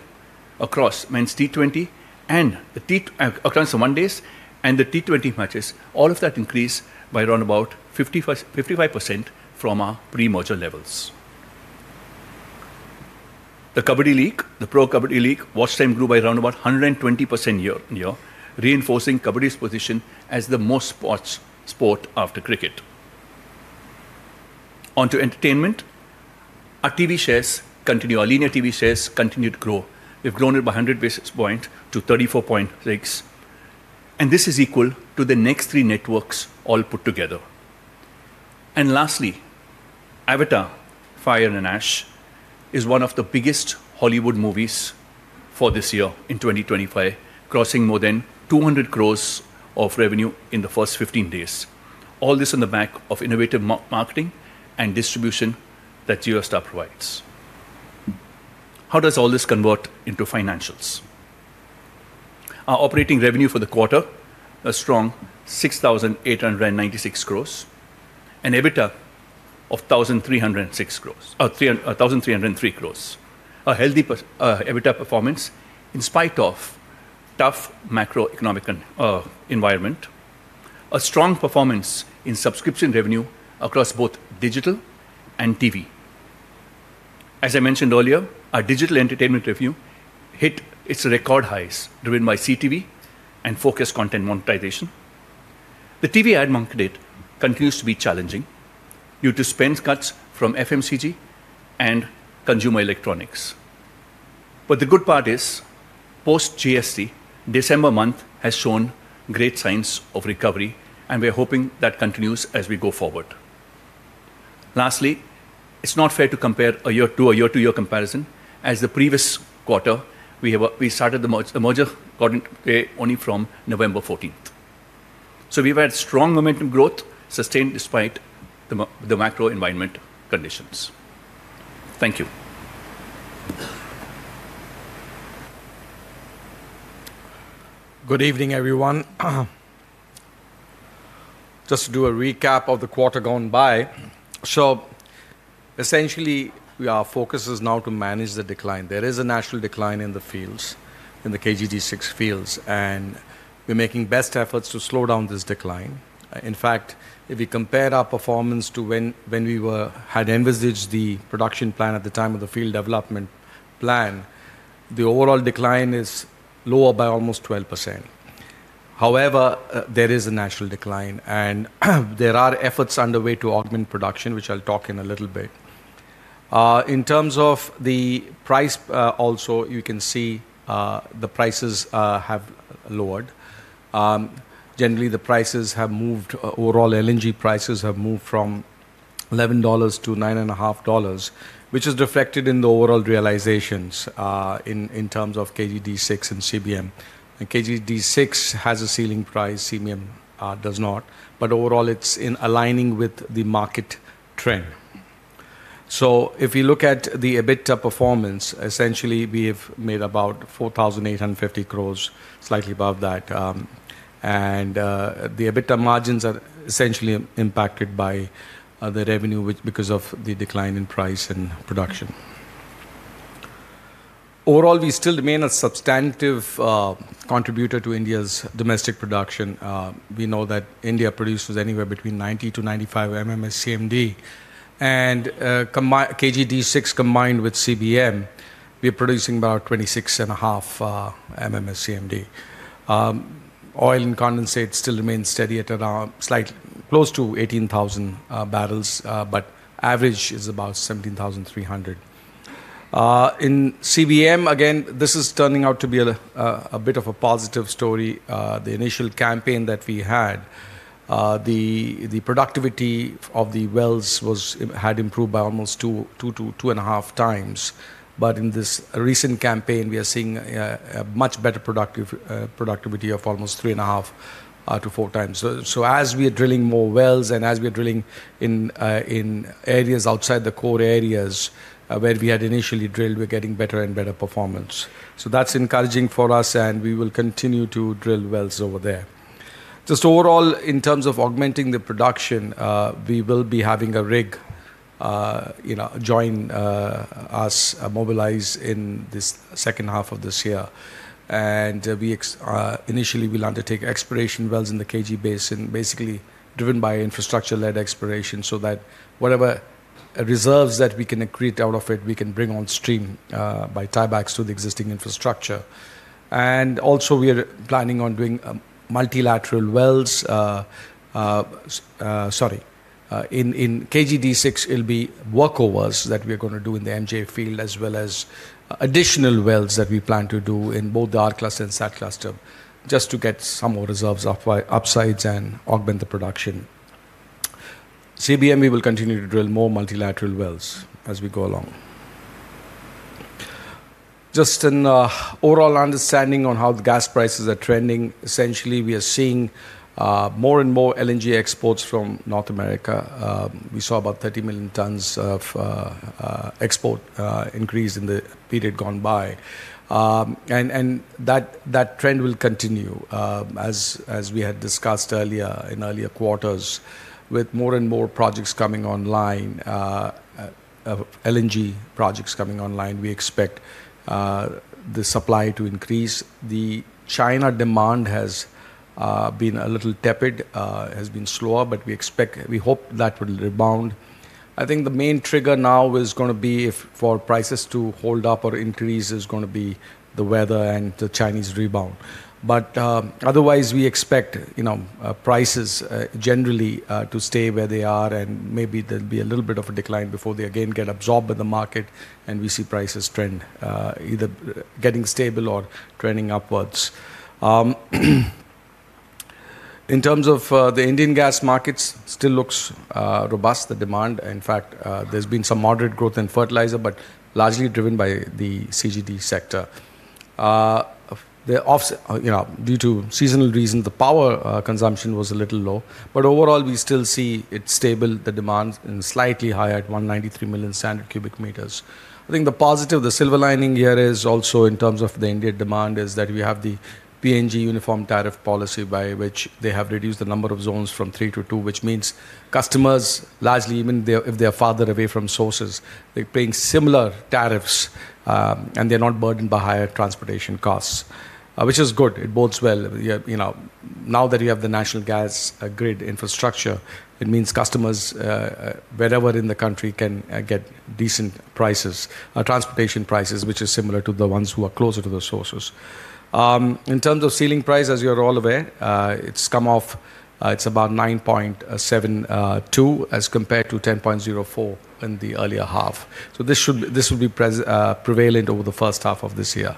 across men's T20 and across the ODIs and the T20 matches. All of that increased by around about 55% from our pre-merger levels. The Kabaddi League, the Pro Kabaddi League, watch time grew by around about 120% year, reinforcing Kabaddi's position as the most-watched sport after cricket. Onto entertainment, our TV shares continue. Our linear TV shares continue to grow. We've grown it by 100 basis points to 34.6. This is equal to the next three networks all put together. Lastly, Avatar: Fire and Ash is one of the biggest Hollywood movies for this year in 2025, crossing more than 200 crores of revenue in the first 15 days. All this on the back of innovative marketing and distribution that Hotstar provides. How does all this convert into financials? Our operating revenue for the quarter, a strong 6,896 crores, an EBITDA of 1,303 crores. A healthy EBITDA performance in spite of a tough macroeconomic environment, a strong performance in subscription revenue across both digital and TV. As I mentioned earlier, our digital entertainment revenue hit its record highs, driven by CTV and focused content monetization. The TV ad market continues to be challenging due to spend cuts from FMCG and consumer electronics. But the good part is, post-GST, December month has shown great signs of recovery, and we're hoping that continues as we go forward. Lastly, it's not fair to compare a year-to-year comparison, as the previous quarter, we started the merger only from November 14th. So we've had strong momentum growth sustained despite the macro environment conditions. Thank you. Good evening, everyone. Just to do a recap of the quarter gone by. So essentially, our focus is now to manage the decline. There is a natural decline in the fields, in the KG-D6 fields, and we're making best efforts to slow down this decline. In fact, if we compare our performance to when we had envisaged the production plan at the time of the field development plan, the overall decline is lower by almost 12%. However, there is a natural decline, and there are efforts underway to augment production, which I'll talk in a little bit. In terms of the price, also, you can see the prices have lowered. Generally, the prices have moved. Overall, LNG prices have moved from $11 to $9.5, which is reflected in the overall realizations in terms of KG-D6 and CBM. KG-D6 has a ceiling price. CBM does not. But overall, it's aligning with the market trend. So if we look at the EBITDA performance, essentially, we have made about 4,850 crores, slightly above that. And the EBITDA margins are essentially impacted by the revenue because of the decline in price and production. Overall, we still remain a substantive contributor to India's domestic production. We know that India produces anywhere between 90 to 95 MMS CMD. And KG-D6 combined with CBM, we're producing about 26.5 MMS CMD. Oil and condensate still remains steady at around slightly close to 18,000 barrels, but average is about 17,300. In CBM, again, this is turning out to be a bit of a positive story. The initial campaign that we had, the productivity of the wells had improved by almost two and a half times. But in this recent campaign, we are seeing a much better productivity of almost three and a half to four times. So as we are drilling more wells and as we are drilling in areas outside the core areas where we had initially drilled, we're getting better and better performance. So that's encouraging for us, and we will continue to drill wells over there. Just overall, in terms of augmenting the production, we will be having a rig join us, mobilize in this second half of this year. And initially, we'll undertake exploration wells in the KG basin and basically driven by infrastructure-led exploration so that whatever reserves that we can accrete out of it, we can bring on stream by tiebacks to the existing infrastructure. Also, we are planning on doing multilateral wells. Sorry. In KG-D6, it'll be workovers that we are going to do in the MJ field as well as additional wells that we plan to do in both the R cluster and SAT cluster just to get some more reserves upsides and augment the production. CBM, we will continue to drill more multilateral wells as we go along. Just an overall understanding on how the gas prices are trending. Essentially, we are seeing more and more LNG exports from North America. We saw about 30 million tons of export increase in the period gone by. That trend will continue, as we had discussed earlier in earlier quarters, with more and more projects coming online, LNG projects coming online. We expect the supply to increase. The China demand has been a little tepid, has been slower, but we hope that will rebound. I think the main trigger now is going to be if for prices to hold up or increase is going to be the weather and the Chinese rebound. But otherwise, we expect prices generally to stay where they are, and maybe there'll be a little bit of a decline before they again get absorbed by the market and we see prices trend either getting stable or trending upwards. In terms of the Indian gas markets, still looks robust, the demand. In fact, there's been some moderate growth in fertilizer, but largely driven by the CGD sector. Due to seasonal reasons, the power consumption was a little low. But overall, we still see it stable, the demand slightly higher at 193 million standard cubic meters. I think the positive, the silver lining here is also in terms of the Indian demand is that we have the PNG uniform tariff policy by which they have reduced the number of zones from three to two, which means customers largely, even if they are farther away from sources, they're paying similar tariffs and they're not burdened by higher transportation costs, which is good. It bodes well. Now that you have the national gas grid infrastructure, it means customers wherever in the country can get decent prices, transportation prices, which are similar to the ones who are closer to the sources. In terms of ceiling price, as you're all aware, it's come off. It's about 9.72 as compared to 10.04 in the earlier half. So this will be prevalent over the first half of this year.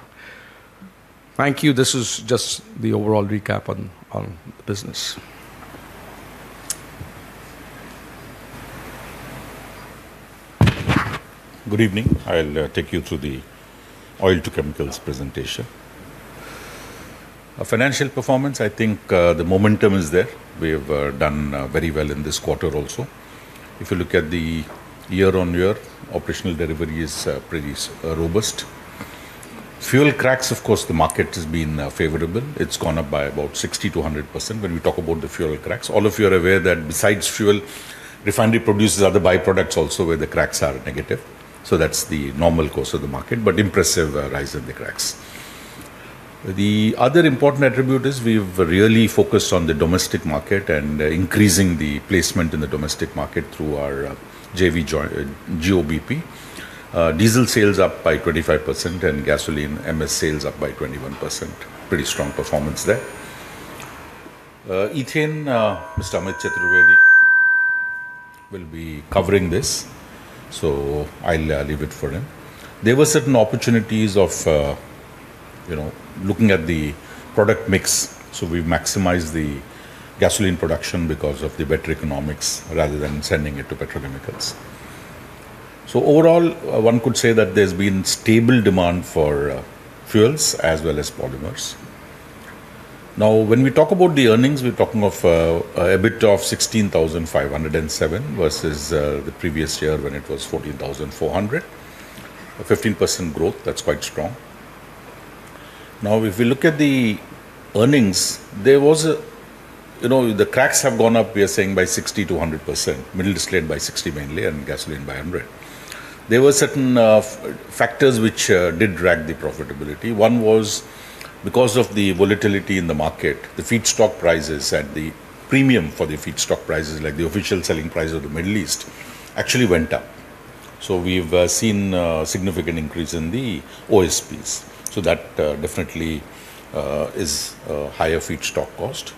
Thank you. This was just the overall recap on the business. Good evening. I'll take you through the oil to chemicals presentation. Financial performance, I think the momentum is there. We have done very well in this quarter also. If you look at the year-on-year, operational delivery is pretty robust. Fuel cracks, of course, the market has been favorable. It's gone up by about 60%-100% when we talk about the fuel cracks. All of you are aware that besides fuel, refinery produces other byproducts also where the cracks are negative. So that's the normal course of the market, but impressive rise in the cracks. The other important attribute is we've really focused on the domestic market and increasing the placement in the domestic market through our GOBP. Diesel sales up by 25% and gasoline, MS sales up by 21%. Pretty strong performance there. And then, Mr. Amit Chaturvedi will be covering this, so I'll leave it for him. There were certain opportunities of looking at the product mix, so we've maximized the gasoline production because of the better economics rather than sending it to petrochemicals. So overall, one could say that there's been stable demand for fuels as well as polymers. Now, when we talk about the earnings, we're talking of a bit of 16,507 versus the previous year when it was 14,400. 15% growth, that's quite strong. Now, if we look at the earnings, the cracks have gone up, we are saying, by 60%-100%. Middle East led by 60% mainly and gasoline by 100%. There were certain factors which did drag the profitability. One was because of the volatility in the market, the feedstock prices and the premium for the feedstock prices, like the official selling price of the Middle East, actually went up. So we've seen a significant increase in the OSPs. So that definitely is a higher feedstock cost.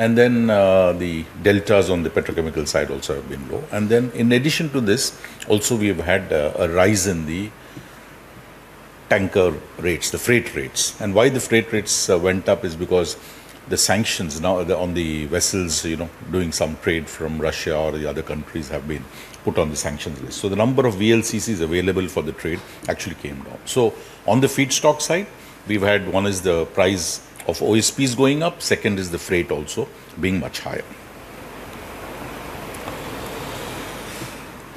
And then the deltas on the petrochemical side also have been low. And then in addition to this, also we have had a rise in the tanker rates, the freight rates. And why the freight rates went up is because the sanctions on the vessels doing some trade from Russia or the other countries have been put on the sanctions list. So the number of VLCCs available for the trade actually came down. So on the feedstock side, we've had one is the price of OSPs going up. Second is the freight also being much higher.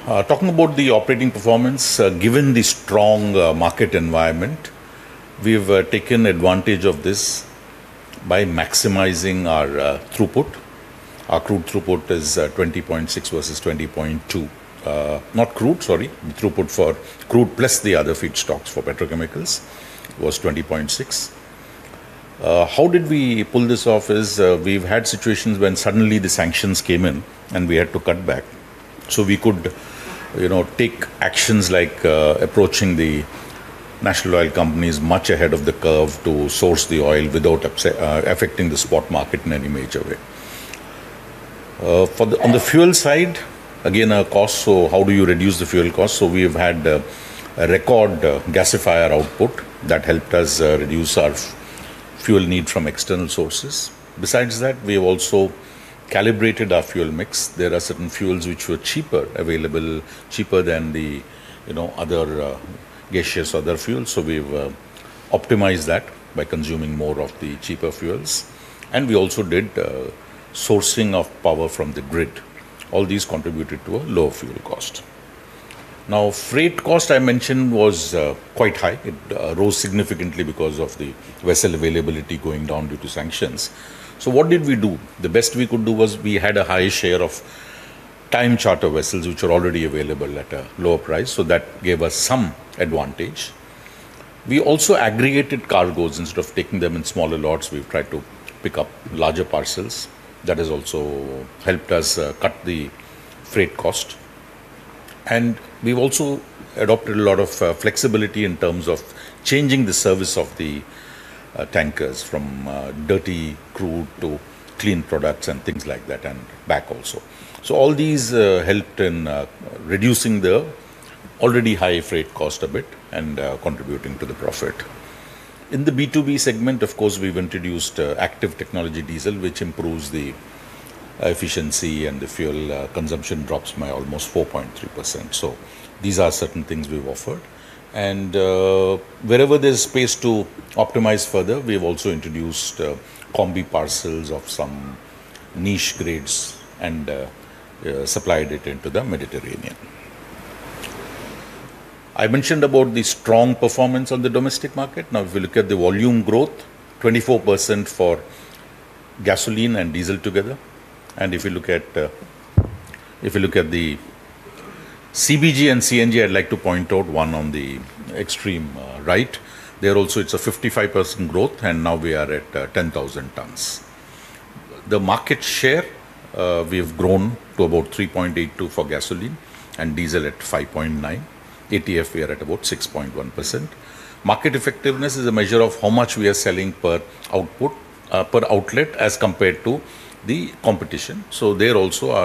Talking about the operating performance, given the strong market environment, we've taken advantage of this by maximizing our throughput. Our crude throughput is 20.6 versus 20.2. Not crude, sorry. The throughput for crude plus the other feedstocks for petrochemicals was 20.6. How did we pull this off? It's we've had situations when suddenly the sanctions came in and we had to cut back. So we could take actions like approaching the National Oil Companies much ahead of the curve to source the oil without affecting the spot market in any major way. On the fuel side, again, a cost, so how do you reduce the fuel cost? So we've had a record gasifier output that helped us reduce our fuel need from external sources. Besides that, we have also calibrated our fuel mix. There are certain fuels which were cheaper available, cheaper than the other gaseous other fuels. So we've optimized that by consuming more of the cheaper fuels. And we also did sourcing of power from the grid. All these contributed to a lower fuel cost. Now, freight cost I mentioned was quite high. It rose significantly because of the vessel availability going down due to sanctions. So what did we do? The best we could do was we had a high share of time charter vessels which are already available at a lower price. So that gave us some advantage. We also aggregated cargoes. Instead of taking them in smaller lots, we've tried to pick up larger parcels. That has also helped us cut the freight cost. And we've also adopted a lot of flexibility in terms of changing the service of the tankers from dirty crude to clean products and things like that and back also. So all these helped in reducing the already high freight cost a bit and contributing to the profit. In the B2B segment, of course, we've introduced Active Technology diesel, which improves the efficiency and the fuel consumption drops by almost 4.3%. So these are certain things we've offered. And wherever there's space to optimize further, we've also introduced combi parcels of some niche grades and supplied it into the Mediterranean. I mentioned about the strong performance on the domestic market. Now, if we look at the volume growth, 24% for gasoline and diesel together. And if you look at the CBG and CNG, I'd like to point out one on the extreme right. There also, it's a 55% growth, and now we are at 10,000 tons. The market share, we have grown to about 3.82% for gasoline and diesel at 5.9%. ATF, we are at about 6.1%. Market effectiveness is a measure of how much we are selling per output, per outlet as compared to the competition. So there also,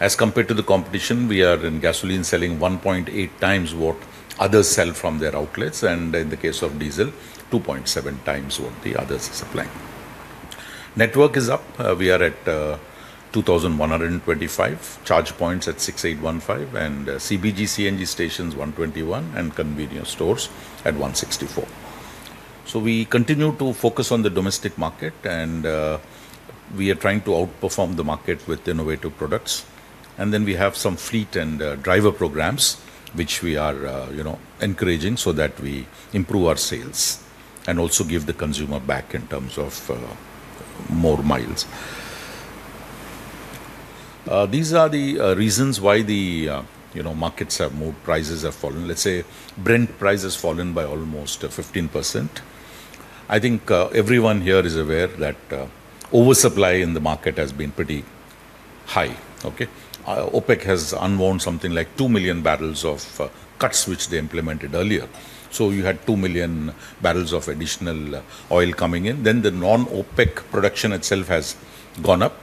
as compared to the competition, we are in gasoline selling 1.8 times what others sell from their outlets. And in the case of diesel, 2.7 times what the others are supplying. Network is up. We are at 2,125 charge points at 6,815 and CBG, CNG stations 121 and convenience stores at 164. So we continue to focus on the domestic market, and we are trying to outperform the market with innovative products. And then we have some fleet and driver programs which we are encouraging so that we improve our sales and also give the consumer back in terms of more miles. These are the reasons why the markets have moved, prices have fallen. Let's say Brent price has fallen by almost 15%. I think everyone here is aware that oversupply in the market has been pretty high. Okay. OPEC has unwound something like 2 million barrels of cuts which they implemented earlier. So you had 2 million barrels of additional oil coming in. Then the non-OPEC production itself has gone up.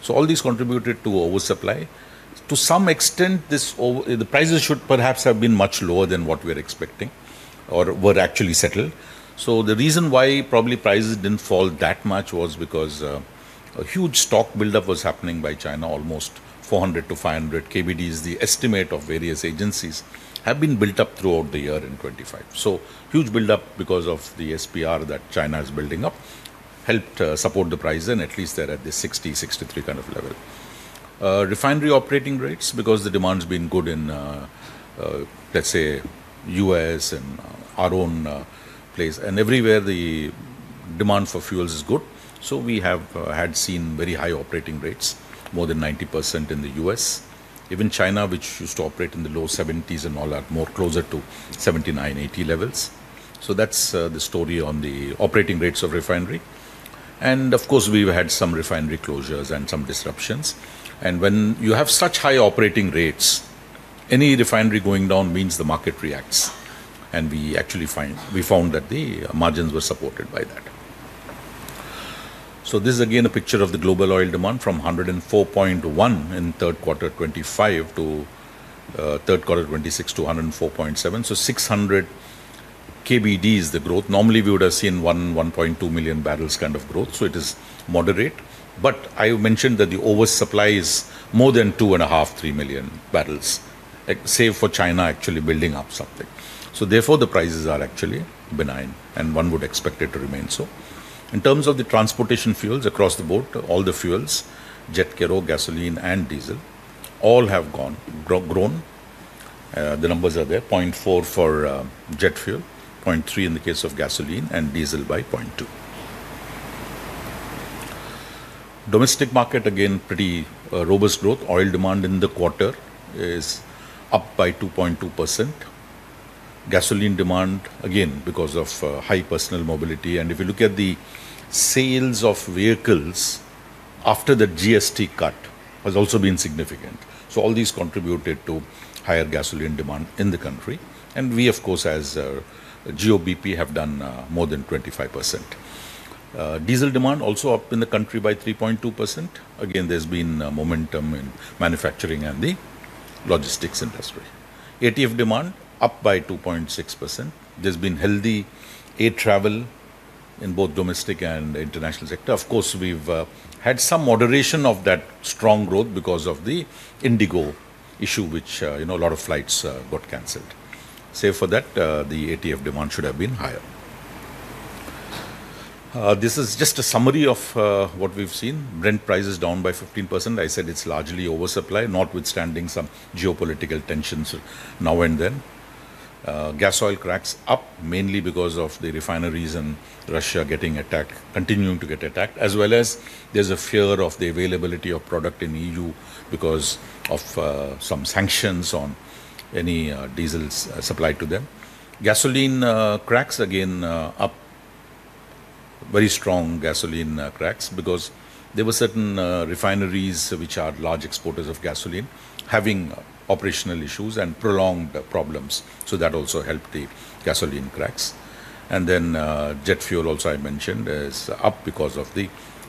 So all these contributed to oversupply. To some extent, the prices should perhaps have been much lower than what we're expecting or were actually settled. So the reason why probably prices didn't fall that much was because a huge stock buildup was happening by China, almost 400-500 KBDs. The estimate of various agencies have been built up throughout the year in 2025. So huge buildup because of the SPR that China is building up helped support the price, and at least they're at the 60-63 kind of level. Refinery operating rates, because the demand's been good in, let's say, U.S. and our own place, and everywhere the demand for fuels is good. So we have had seen very high operating rates, more than 90% in the US. Even China, which used to operate in the low 70s and all, are more closer to 79, 80 levels. So that's the story on the operating rates of refinery. And of course, we've had some refinery closures and some disruptions. And when you have such high operating rates, any refinery going down means the market reacts. And we actually found that the margins were supported by that. So this is again a picture of the global oil demand from 104.1 in third quarter 2025 to third quarter 2026 to 104.7. So 600 KBDs the growth. Normally, we would have seen one, 1.2 million barrels kind of growth. So it is moderate. But I mentioned that the oversupply is more than 2.5, 3 million barrels, save for China actually building up something. Therefore, the prices are actually benign, and one would expect it to remain so. In terms of the transportation fuels across the board, all the fuels, jet kero, gasoline, and diesel all have grown. The numbers are there: 0.4% for jet fuel, 0.3% in the case of gasoline, and diesel by 0.2%. Domestic market, again, pretty robust growth. Oil demand in the quarter is up by 2.2%. Gasoline demand, again, because of high personal mobility, and if you look at the sales of vehicles after the GST cut has also been significant, so all these contributed to higher gasoline demand in the country. We, of course, as GOBP have done more than 25%. Diesel demand also up in the country by 3.2%. There's been momentum in manufacturing and the logistics industry. ATF demand up by 2.6%. There's been healthy air travel in both domestic and international sector. Of course, we've had some moderation of that strong growth because of the IndiGo issue, which a lot of flights got canceled. Save for that, the ATF demand should have been higher. This is just a summary of what we've seen. Brent price is down by 15%. I said it's largely oversupply, notwithstanding some geopolitical tensions now and then. Gas oil cracks up mainly because of the refineries in Russia continuing to get attacked, as well as there's a fear of the availability of product in EU because of some sanctions on any diesel supply to them. Gasoline cracks again up. Very strong gasoline cracks because there were certain refineries which are large exporters of gasoline having operational issues and prolonged problems. So that also helped the gasoline cracks. And then jet fuel also I mentioned is up because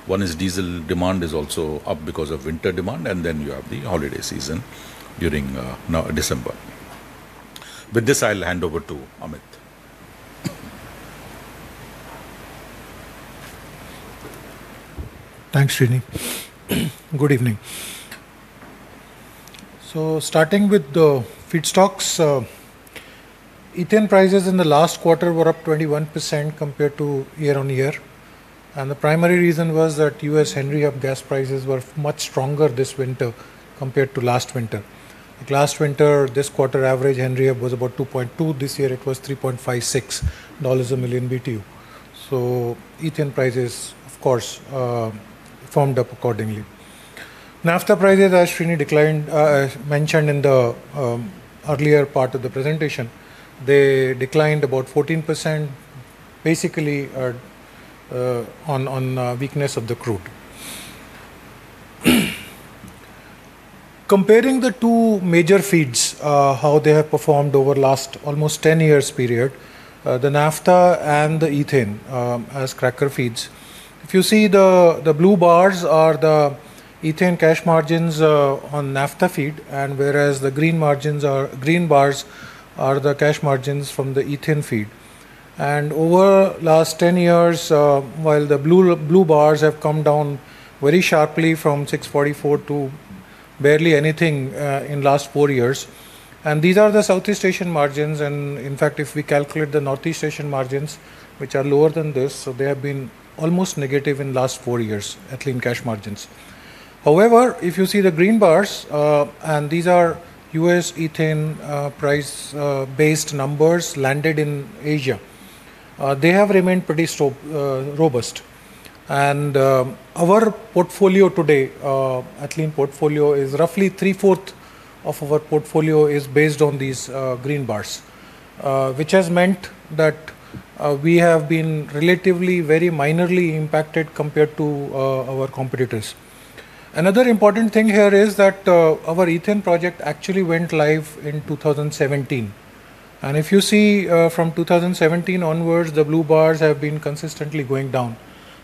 one is diesel demand is also up because of winter demand. And then you have the holiday season during December. With this, I'll hand over to Amit. Thanks, Srini. Good evening. So starting with the feedstocks, ethane prices in the last quarter were up 21% compared to year-on-year. And the primary reason was that US Henry Hub gas prices were much stronger this winter compared to last winter. Last winter, this quarter average Henry Hub was about $2.2. This year, it was $3.56 a million BTU. So ethane prices, of course, followed up accordingly. Naphtha prices, as Srini mentioned in the earlier part of the presentation, they declined about 14% basically on weakness of the crude. Comparing the two major feeds, how they have performed over last almost 10 years period, the naphtha and the ethane as cracker feeds. If you see, the blue bars are the naphtha cash margins on naphtha feed, and whereas the green bars are the cash margins from the ethane feed. And over last 10 years, while the blue bars have come down very sharply from 644 to barely anything in last four years. And these are the Southeast Asian margins. And in fact, if we calculate the Northeast Asian margins, which are lower than this, so they have been almost negative in last four years, at least in cash margins. However, if you see the green bars, and these are US ethane price-based numbers landed in Asia, they have remained pretty robust. Our portfolio today, ethane portfolio is roughly three-fourths of our portfolio is based on these green bars, which has meant that we have been relatively very minorly impacted compared to our competitors. Another important thing here is that our ethane project actually went live in 2017. If you see from 2017 onwards, the blue bars have been consistently going down.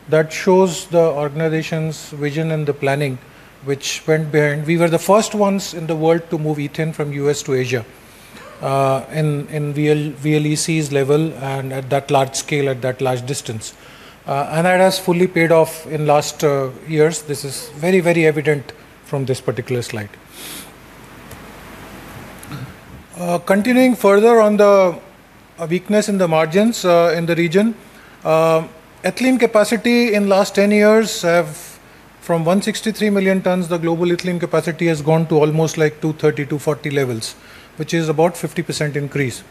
That shows the organization's vision and the planning which went behind. We were the first ones in the world to move ethane from U.S. to Asia in VLEC's level and at that large scale at that large distance. That has fully paid off in last years. This is very, very evident from this particular slide. Continuing further on the weakness in the margins in the region, ethylene capacity in last 10 years from 163 million tons, the global ethylene capacity has gone to almost like 230, 240 levels, which is about 50% increase.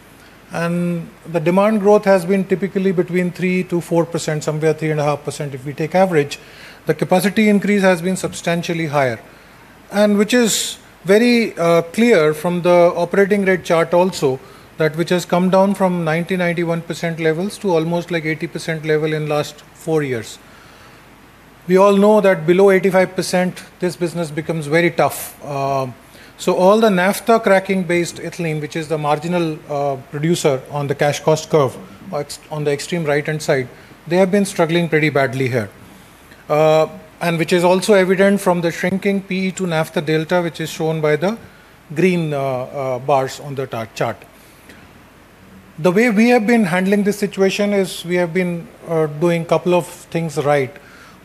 The demand growth has been typically between 3%-4%, somewhere 3.5%. If we take average, the capacity increase has been substantially higher, which is very clear from the operating rate chart also, which has come down from 90-91% levels to almost like 80% level in last four years. We all know that below 85%, this business becomes very tough. So all the naphtha cracking-based ethylene, which is the marginal producer on the cash cost curve on the extreme right-hand side, they have been struggling pretty badly here, which is also evident from the shrinking PE-to-naphtha delta, which is shown by the green bars on the chart. The way we have been handling this situation is we have been doing a couple of things right.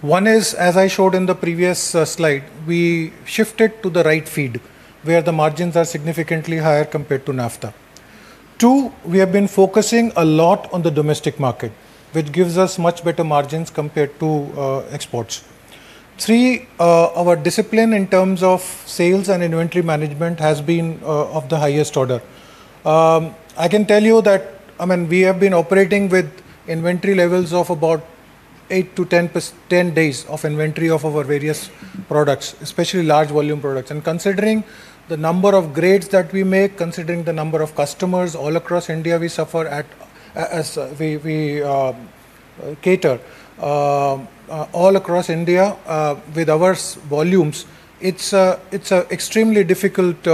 One is, as I showed in the previous slide, we shifted to the right feed where the margins are significantly higher compared to NAFTA. Two, we have been focusing a lot on the domestic market, which gives us much better margins compared to exports. Three, our discipline in terms of sales and inventory management has been of the highest order. I can tell you that, I mean, we have been operating with inventory levels of about eight to 10 days of inventory of our various products, especially large volume products. And considering the number of grades that we make, considering the number of customers all across India we cater with our volumes, it's an extremely difficult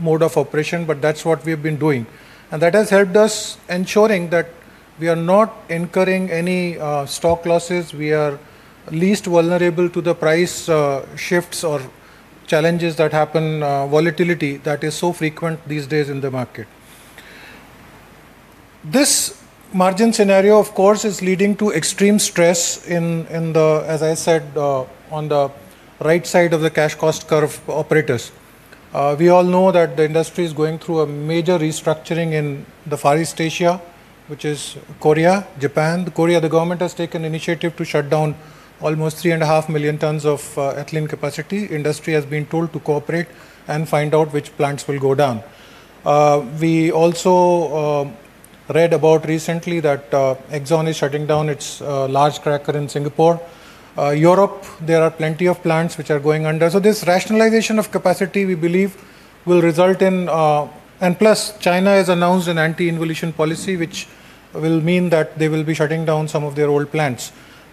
mode of operation, but that's what we have been doing. And that has helped us ensuring that we are not incurring any stock losses. We are least vulnerable to the price shifts or challenges that happen, volatility that is so frequent these days in the market. This margin scenario, of course, is leading to extreme stress in the, as I said, on the right side of the cash cost curve operators. We all know that the industry is going through a major restructuring in the Far East Asia, which is Korea, Japan. The Korean government has taken initiative to shut down almost 3.5 million tons of ethylene capacity. Industry has been told to cooperate and find out which plants will go down. We also read about recently that Exxon is shutting down its large cracker in Singapore. Europe, there are plenty of plants which are going under. This rationalization of capacity, we believe, will result in, and plus, China has announced an anti-involution policy, which will mean that they will be shutting down some of their old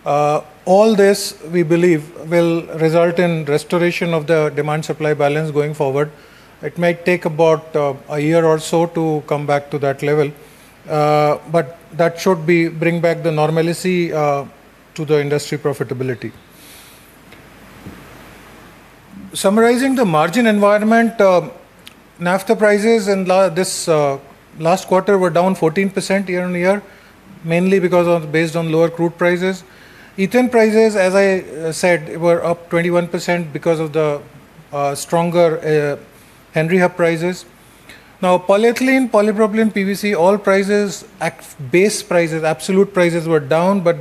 plants. All this, we believe, will result in restoration of the demand-supply balance going forward. It may take about a year or so to come back to that level, but that should bring back the normalcy to the industry profitability. Summarizing the margin environment, Naphtha prices in this last quarter were down 14% year on year, mainly based on lower crude prices. Ethane prices, as I said, were up 21% because of the stronger Henry Hub prices. Now, polyethylene, polypropylene, PVC, all prices, base prices, absolute prices were down, but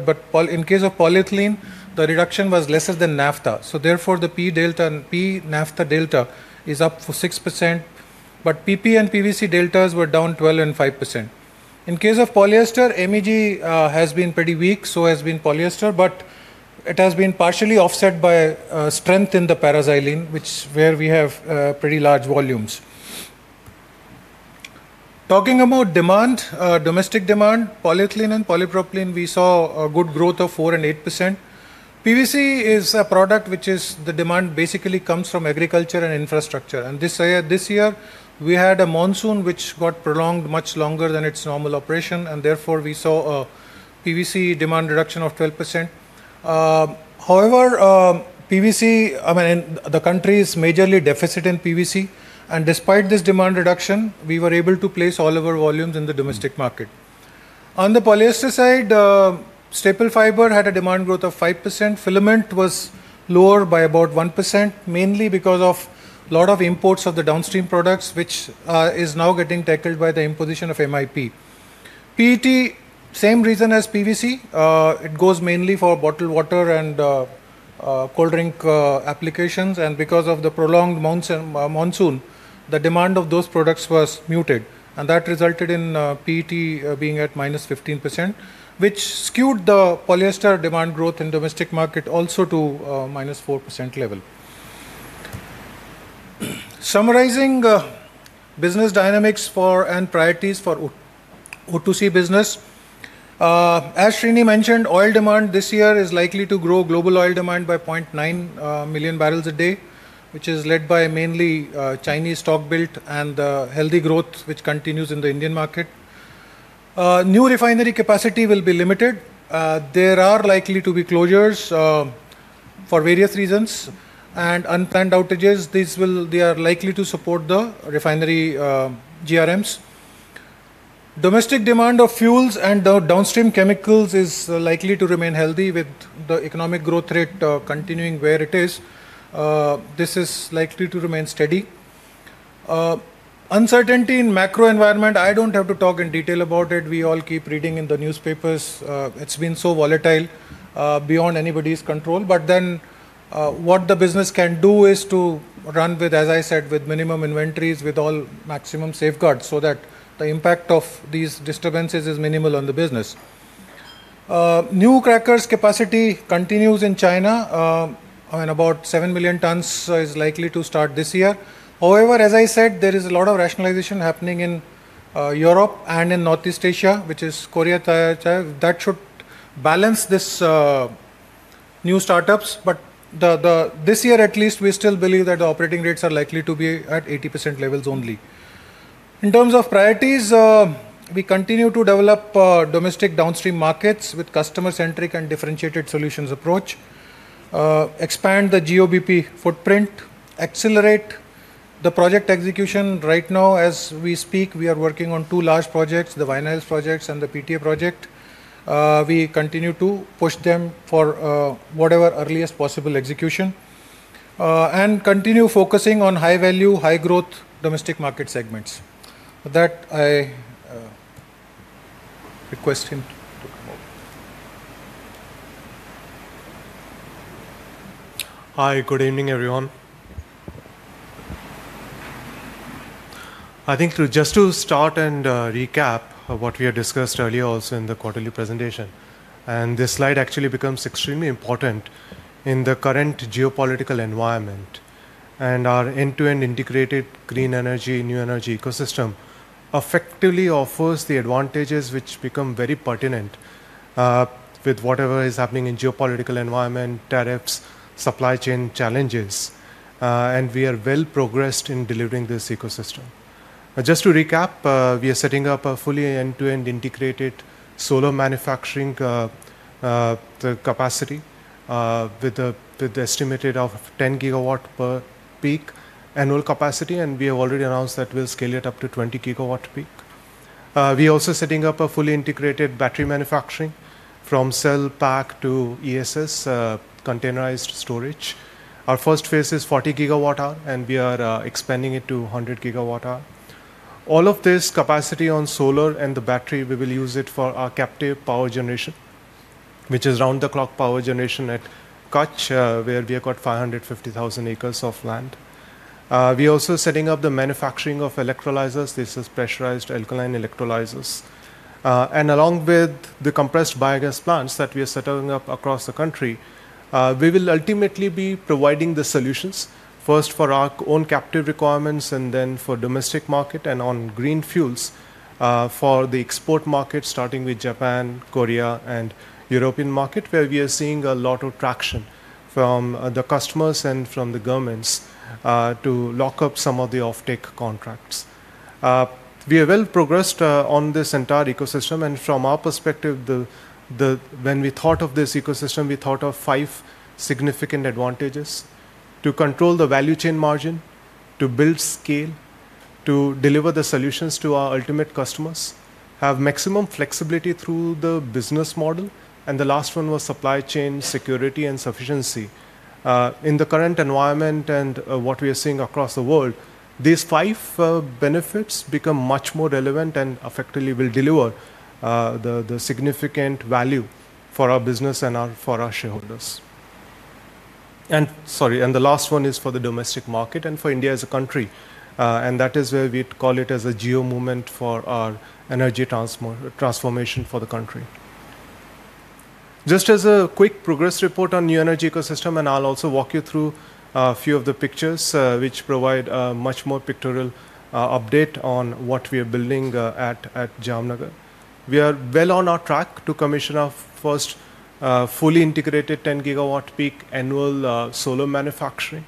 in case of polyethylene, the reduction was lesser than Naphtha. So therefore, the PE delta and PE NAFTA delta is up 6%, but PP and PVC deltas were down 12% and 5%. In case of polyester, MEG has been pretty weak, so has been polyester, but it has been partially offset by strength in the paraxylene, which is where we have pretty large volumes. Talking about demand, domestic demand, polyethylene and polypropylene, we saw a good growth of 4% and 8%. PVC is a product which is the demand basically comes from agriculture and infrastructure. And this year, we had a monsoon which got prolonged much longer than its normal operation, and therefore we saw a PVC demand reduction of 12%. However, PVC, I mean, the country is majorly deficit in PVC, and despite this demand reduction, we were able to place all of our volumes in the domestic market. On the polyester side, staple fiber had a demand growth of 5%. Filament was lower by about 1%, mainly because of a lot of imports of the downstream products, which is now getting tackled by the imposition of MIP. PET, same reason as PVC. It goes mainly for bottled water and cold drink applications, and because of the prolonged monsoon, the demand of those products was muted, and that resulted in PET being at minus 15%, which skewed the polyester demand growth in domestic market also to minus 4% level. Summarizing business dynamics and priorities for O2C business, as Srini mentioned, oil demand this year is likely to grow global oil demand by 0.9 million barrels a day, which is led by mainly Chinese stock built and the healthy growth which continues in the Indian market. New refinery capacity will be limited. There are likely to be closures for various reasons and unplanned outages. These will. They are likely to support the refinery GRMs. Domestic demand of fuels and downstream chemicals is likely to remain healthy with the economic growth rate continuing where it is. This is likely to remain steady. Uncertainty in macro environment. I don't have to talk in detail about it. We all keep reading in the newspapers. It's been so volatile beyond anybody's control. But then what the business can do is to run with, as I said, with minimum inventories with all maximum safeguards so that the impact of these disturbances is minimal on the business. New crackers capacity continues in China. I mean, about seven million tons is likely to start this year. However, as I said, there is a lot of rationalization happening in Europe and in Northeast Asia, which is Korea. That should balance these new startups, but this year at least we still believe that the operating rates are likely to be at 80% levels only. In terms of priorities, we continue to develop domestic downstream markets with customer-centric and differentiated solutions approach, expand the GOBP footprint, accelerate the project execution. Right now, as we speak, we are working on two large projects, the Vinyls projects and the PTA project. We continue to push them for whatever earliest possible execution and continue focusing on high value, high growth domestic market segments. That I request him to come over. Hi, good evening everyone. I think just to start and recap what we had discussed earlier also in the quarterly presentation, and this slide actually becomes extremely important in the current geopolitical environment and our end-to-end integrated green energy, new energy ecosystem effectively offers the advantages which become very pertinent with whatever is happening in geopolitical environment, tariffs, supply chain challenges, and we are well progressed in delivering this ecosystem. Just to recap, we are setting up a fully end-to-end integrated solar manufacturing capacity with the estimated of 10 gigawatt per peak annual capacity, and we have already announced that we'll scale it up to 20 gigawatt peak. We are also setting up a fully integrated battery manufacturing from cell pack to ESS containerized storage. Our first phase is 40 gigawatt hour, and we are expanding it to 100 gigawatt hour. All of this capacity on solar and the battery, we will use it for our captive power generation, which is round-the-clock power generation at Kutch, where we have got 550,000 acres of land. We are also setting up the manufacturing of electrolyzers, pressurized alkaline electrolyzers, and along with the compressed biogas plants that we are setting up across the country, we will ultimately be providing the solutions first for our own captive requirements and then for domestic market and on green fuels for the export market, starting with Japan, Korea, and European market, where we are seeing a lot of traction from the customers and from the governments to lock up some of the offtake contracts. We have well progressed on this entire ecosystem, and from our perspective, when we thought of this ecosystem, we thought of five significant advantages: to control the value chain margin, to build scale, to deliver the solutions to our ultimate customers, have maximum flexibility through the business model, and the last one was supply chain security and sufficiency. In the current environment and what we are seeing across the world, these five benefits become much more relevant and effectively will deliver the significant value for our business and for our shareholders, and sorry, and the last one is for the domestic market and for India as a country, and that is where we call it as a geo movement for our energy transformation for the country. Just as a quick progress report on new energy ecosystem, and I'll also walk you through a few of the pictures which provide a much more pictorial update on what we are building at Jamnagar. We are well on our track to commission our first fully integrated 10 gigawatt peak annual solar manufacturing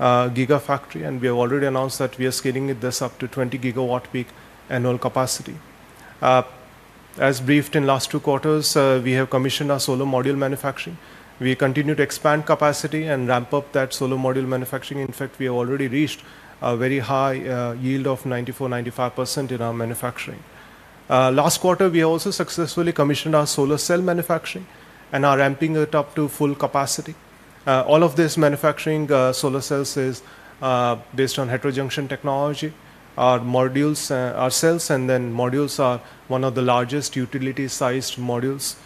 giga factory, and we have already announced that we are scaling this up to 20 gigawatt peak annual capacity. As briefed in last two quarters, we have commissioned our solar module manufacturing. We continue to expand capacity and ramp up that solar module manufacturing. In fact, we have already reached a very high yield of 94%-95% in our manufacturing. Last quarter, we also successfully commissioned our solar cell manufacturing and are ramping it up to full capacity. All of this manufacturing solar cells is based on heterojunction technology. Our cells and then modules are one of the largest utility-sized modules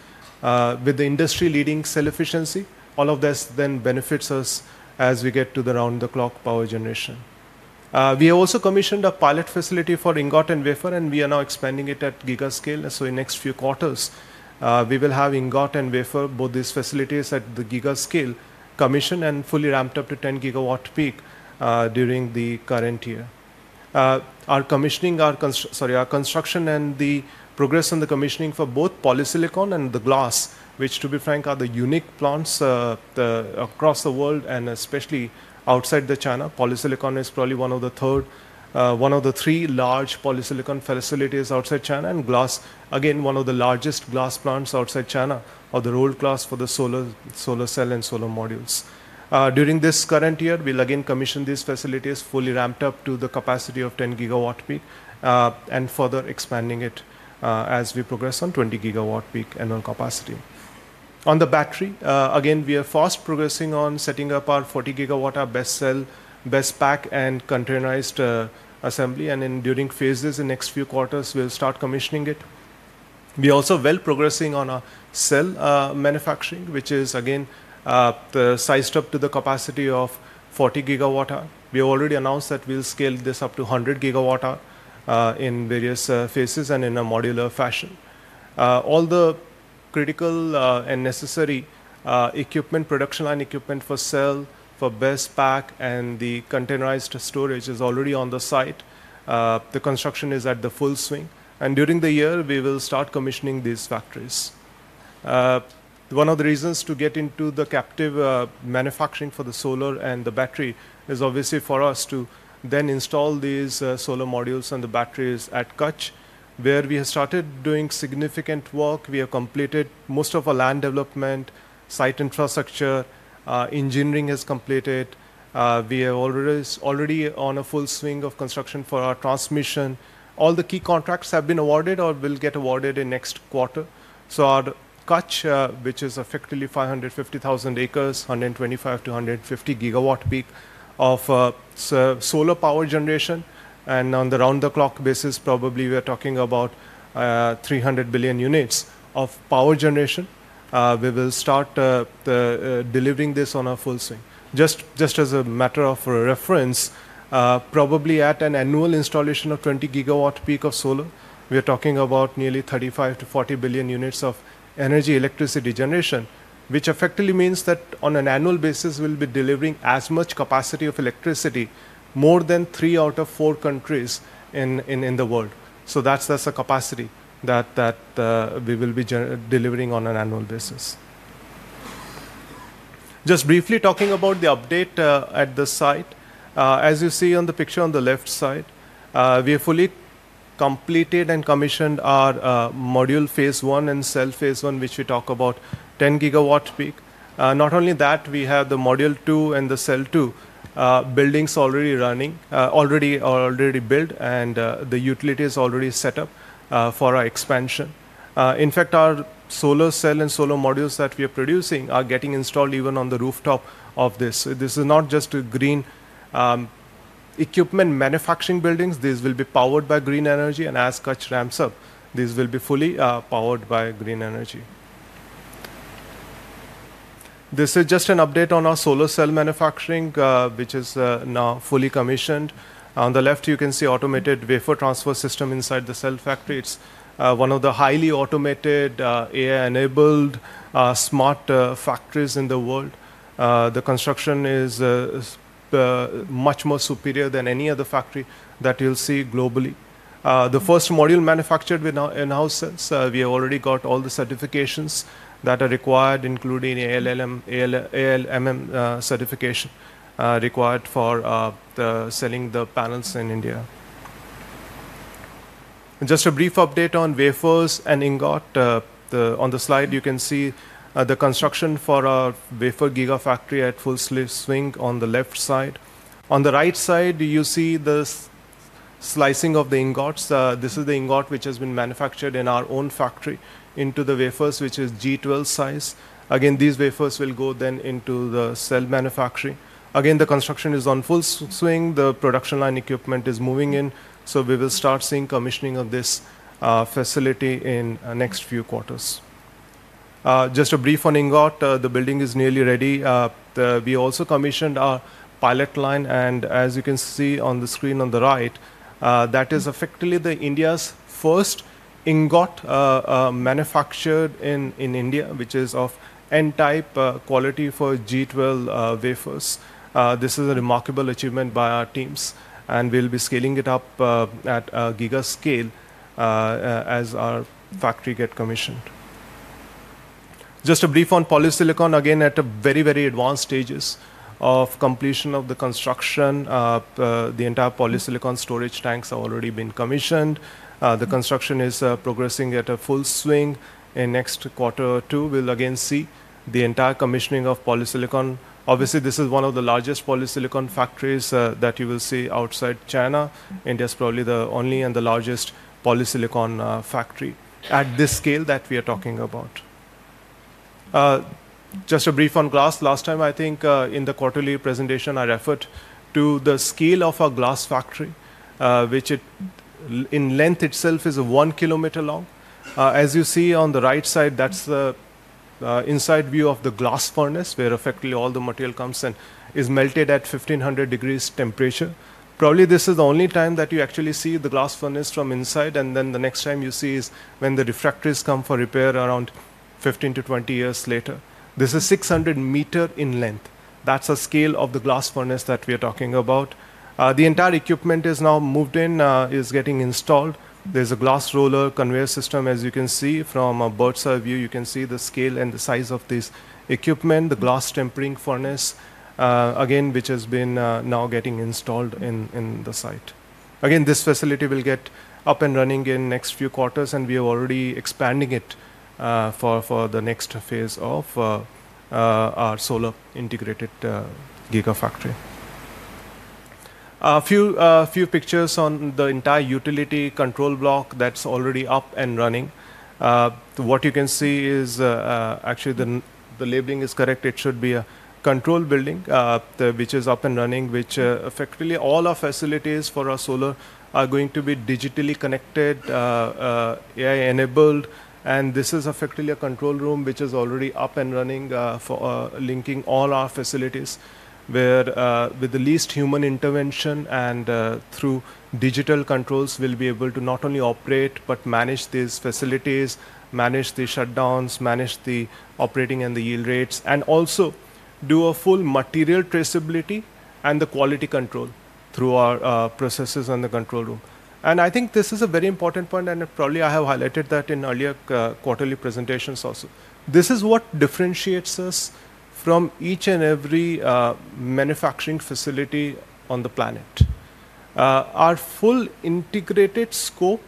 with the industry-leading cell efficiency. All of this then benefits us as we get to the round-the-clock power generation. We have also commissioned a pilot facility for Ingot and Wafer, and we are now expanding it at giga scale. So in the next few quarters, we will have Ingot and Wafer, both these facilities at the giga scale commissioned and fully ramped up to 10 gigawatt peak during the current year. Our commissioning, sorry, our construction and the progress on the commissioning for both polysilicon and the glass, which to be frank, are the unique plants across the world and especially outside China. Polysilicon is probably one of the three large polysilicon facilities outside China, and glass, again, one of the largest glass plants outside China of the world class for the solar cell and solar modules. During this current year, we'll again commission these facilities fully ramped up to the capacity of 10 gigawatt peak and further expanding it as we progress on 20 gigawatt peak annual capacity. On the battery, again, we are fast progressing on setting up our 40 gigawatt, our best cell, best pack, and containerized assembly, and during phases in the next few quarters, we'll start commissioning it. We are also well progressing on our cell manufacturing, which is again sized up to the capacity of 40 gigawatt hour. We have already announced that we'll scale this up to 100 gigawatt hour in various phases and in a modular fashion. All the critical and necessary equipment, production line equipment for cells, for BESS pack, and the containerized storage is already on the site. The construction is in full swing, and during the year, we will start commissioning these factories. One of the reasons to get into the captive manufacturing for the solar and the battery is obviously for us to then install these solar modules and the batteries at Kutch, where we have started doing significant work. We have completed most of our land development, site infrastructure, engineering is completed. We are already in full swing of construction for our transmission. All the key contracts have been awarded or will get awarded in next quarter. Our Kutch, which is effectively 550,000 acres, 125-150 gigawatt peak of solar power generation, and on the round-the-clock basis, probably we are talking about 300 billion units of power generation. We will start delivering this on a full swing. Just as a matter of reference, probably at an annual installation of 20 gigawatt peak of solar, we are talking about nearly 35 to 40 billion units of energy electricity generation, which effectively means that on an annual basis, we will be delivering as much capacity of electricity more than three out of four countries in the world. So that's the capacity that we will be delivering on an annual basis. Just briefly talking about the update at the site. As you see on the picture on the left side, we have fully completed and commissioned our module phase one and cell phase one, which we talk about 10 gigawatt peak. Not only that, we have the module two and the cell two buildings already running, already built, and the utility is already set up for our expansion. In fact, our solar cell and solar modules that we are producing are getting installed even on the rooftop of this. This is not just a green equipment manufacturing buildings. These will be powered by green energy, and as Kutch ramps up, these will be fully powered by green energy. This is just an update on our solar cell manufacturing, which is now fully commissioned. On the left, you can see automated wafer transfer system inside the cell factory. It's one of the highly automated, AI-enabled smart factories in the world. The construction is much more superior than any other factory that you'll see globally. The first module manufactured in our cells, we have already got all the certifications that are required, including ALMM certification required for selling the panels in India. Just a brief update on wafers and ingot. On the slide, you can see the construction for our wafer Giga Factory at full swing on the left side. On the right side, you see the slicing of the ingots. This is the ingot which has been manufactured in our own factory into the wafers, which is G12 size. Again, these wafers will go then into the cell manufacturing. Again, the construction is on full swing. The production line equipment is moving in, so we will start seeing commissioning of this facility in the next few quarters. Just a brief on ingot. The building is nearly ready. We also commissioned our pilot line, and as you can see on the screen on the right, that is effectively India's first ingot manufactured in India, which is of N-type quality for G12 wafers. This is a remarkable achievement by our teams, and we'll be scaling it up at giga scale as our factory gets commissioned. Just a brief on polysilicon, again at very, very advanced stages of completion of the construction. The entire polysilicon storage tanks have already been commissioned. The construction is progressing at a full swing in the next quarter or two. We'll again see the entire commissioning of polysilicon. Obviously, this is one of the largest polysilicon factories that you will see outside China. India is probably the only and the largest polysilicon factory at this scale that we are talking about. Just a brief on glass. Last time, I think in the quarterly presentation, I referred to the scale of our glass factory, which in length itself is one kilometer long. As you see on the right side, that's the inside view of the glass furnace where effectively all the material comes and is melted at 1500 degrees temperature. Probably this is the only time that you actually see the glass furnace from inside, and then the next time you see is when the refractories come for repair around 15-20 years later. This is 600 meters in length. That's the scale of the glass furnace that we are talking about. The entire equipment is now moved in, is getting installed. There's a glass roller conveyor system, as you can see from a bird's-eye view. You can see the scale and the size of this equipment, the glass tempering furnace, again, which has been now getting installed in the site. Again, this facility will get up and running in the next few quarters, and we are already expanding it for the next phase of our solar integrated giga factory. A few pictures on the entire utility control block that's already up and running. What you can see is actually the labeling is correct. It should be a control building, which is up and running, which effectively all our facilities for our solar are going to be digitally connected, AI-enabled, and this is effectively a control room which is already up and running for linking all our facilities where with the least human intervention and through digital controls we'll be able to not only operate but manage these facilities, manage the shutdowns, manage the operating and the yield rates, and also do a full material traceability and the quality control through our processes and the control room. I think this is a very important point, and probably I have highlighted that in earlier quarterly presentations also. This is what differentiates us from each and every manufacturing facility on the planet. Our full integrated scope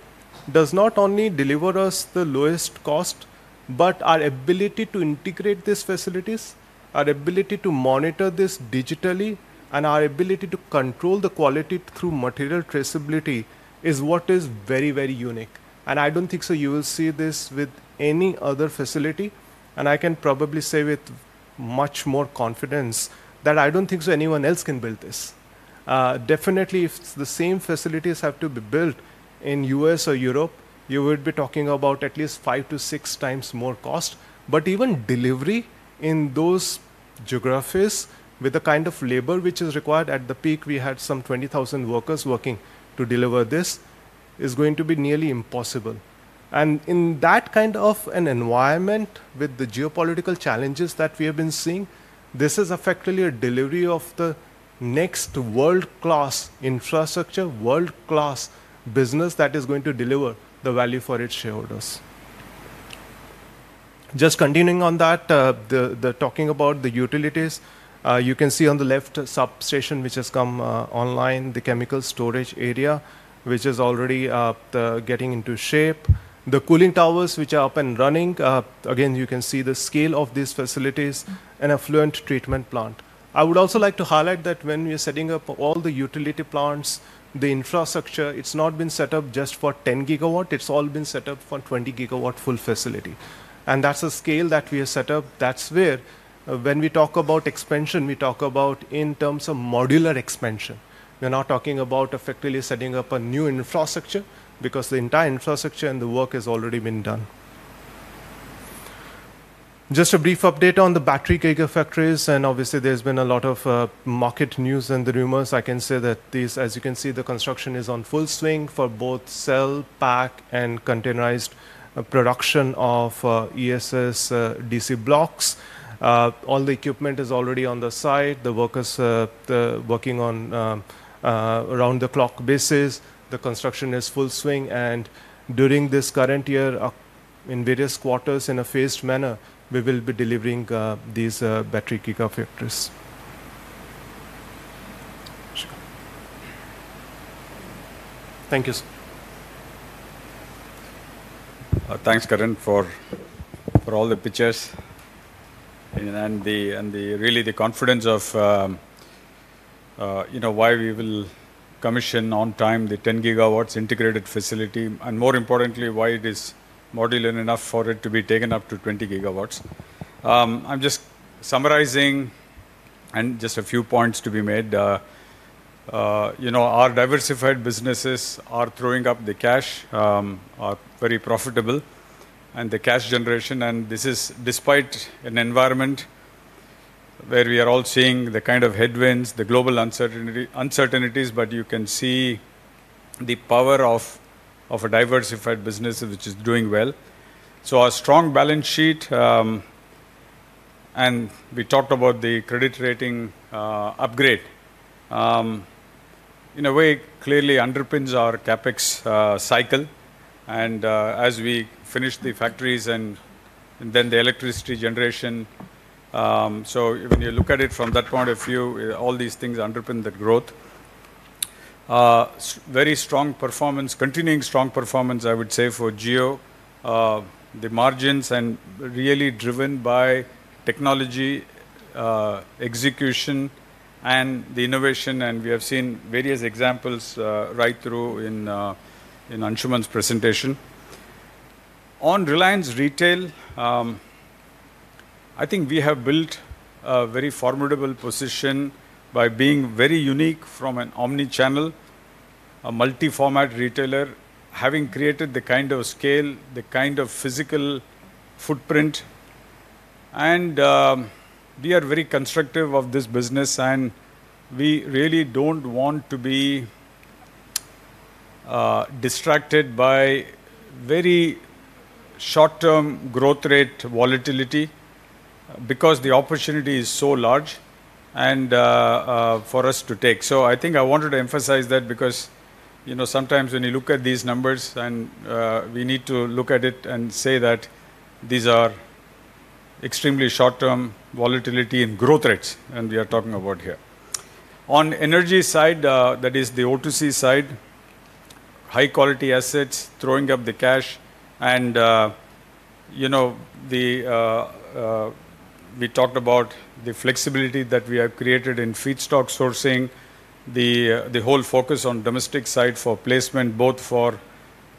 does not only deliver us the lowest cost, but our ability to integrate these facilities, our ability to monitor this digitally, and our ability to control the quality through material traceability is what is very, very unique. I don't think so you will see this with any other facility, and I can probably say with much more confidence that I don't think so anyone else can build this. Definitely, if the same facilities have to be built in the U.S. or Europe, you would be talking about at least five to six times more cost, but even delivery in those geographies with the kind of labor which is required at the peak, we had some 20,000 workers working to deliver this, is going to be nearly impossible. And in that kind of an environment with the geopolitical challenges that we have been seeing, this is effectively a delivery of the next world-class infrastructure, world-class business that is going to deliver the value for its shareholders. Just continuing on that, talking about the utilities, you can see on the left substation which has come online, the chemical storage area which is already getting into shape, the cooling towers which are up and running. Again, you can see the scale of these facilities and an effluent treatment plant. I would also like to highlight that when we are setting up all the utility plants, the infrastructure, it's not been set up just for 10 gigawatt. It's all been set up for 20 gigawatt full facility, and that's the scale that we have set up. That's where when we talk about expansion, we talk about in terms of modular expansion. We're not talking about effectively setting up a new infrastructure because the entire infrastructure and the work has already been done. Just a brief update on the battery giga factories, and obviously there's been a lot of market news and the rumors. I can say that these, as you can see, the construction is in full swing for both cell, pack, and containerized production of ESS DC blocks. All the equipment is already on the site. The workers are working on a round-the-clock basis. The construction is in full swing, and during this current year, in various quarters in a phased manner, we will be delivering these battery giga factories. Thank you. Thanks, Karan, for all the pictures and really the confidence of why we will commission on time the 10 gigawatts integrated facility and more importantly, why it is modular enough for it to be taken up to 20 gigawatts. I'm just summarizing and just a few points to be made. Our diversified businesses are throwing up the cash, are very profitable, and the cash generation, and this is despite an environment where we are all seeing the kind of headwinds, the global uncertainties, but you can see the power of a diversified business which is doing well. So our strong balance sheet, and we talked about the credit rating upgrade, in a way clearly underpins our CapEx cycle. As we finish the factories and then the electricity generation, so when you look at it from that point of view, all these things underpin the growth. Very strong performance, continuing strong performance, I would say, for Jio. The margins and really driven by technology execution and the innovation, and we have seen various examples right through in Anshuman's presentation. On Reliance Retail, I think we have built a very formidable position by being very unique from an omnichannel, a multi-format retailer, having created the kind of scale, the kind of physical footprint, and we are very constructive of this business, and we really don't want to be distracted by very short-term growth rate volatility because the opportunity is so large for us to take. So I think I wanted to emphasize that because sometimes when you look at these numbers, and we need to look at it and say that these are extremely short-term volatility and growth rates that we are talking about here. On energy side, that is the O2C side, high-quality assets, throwing up the cash, and we talked about the flexibility that we have created in feedstock sourcing, the whole focus on domestic side for placement, both for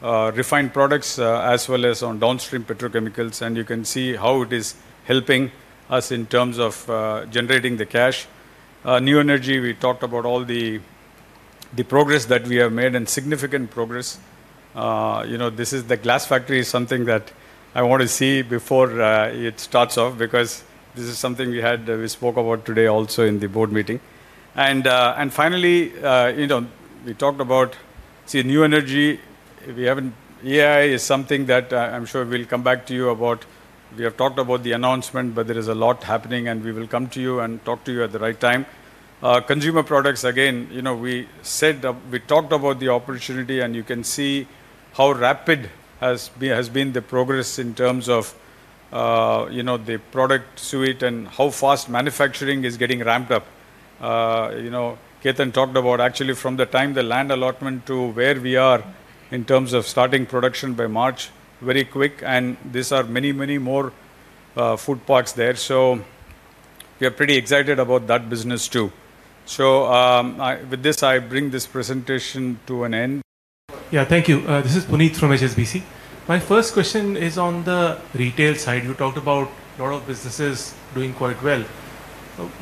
refined products as well as on downstream petrochemicals, and you can see how it is helping us in terms of generating the cash. New energy, we talked about all the progress that we have made and significant progress. This is the glass factory, something that I want to see before it starts off because this is something we had, we spoke about today also in the board meeting. And finally, we talked about, see, new energy. AI is something that I'm sure we'll come back to you about. We have talked about the announcement, but there is a lot happening, and we will come to you and talk to you at the right time. Consumer products, again, we talked about the opportunity, and you can see how rapid has been the progress in terms of the product suite and how fast manufacturing is getting ramped up. Ketan talked about actually from the time the land allotment to where we are in terms of starting production by March, very quick, and these are many, many more food parks there. So we are pretty excited about that business too. So with this, I bring this presentation to an end. Yeah, thank you. This is Puneet from HSBC. My first question is on the retail side. You talked about a lot of businesses doing quite well.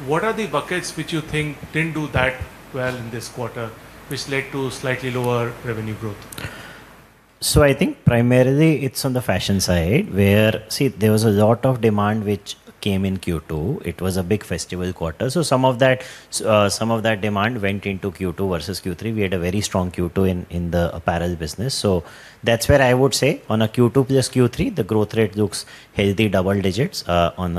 What are the buckets which you think didn't do that well in this quarter, which led to slightly lower revenue growth? So I think primarily it's on the fashion side where, see, there was a lot of demand which came in Q2. It was a big festival quarter. So some of that demand went into Q2 versus Q3. We had a very strong Q2 in the apparel business. So that's where I would say on a Q2 plus Q3, the growth rate looks healthy double digits on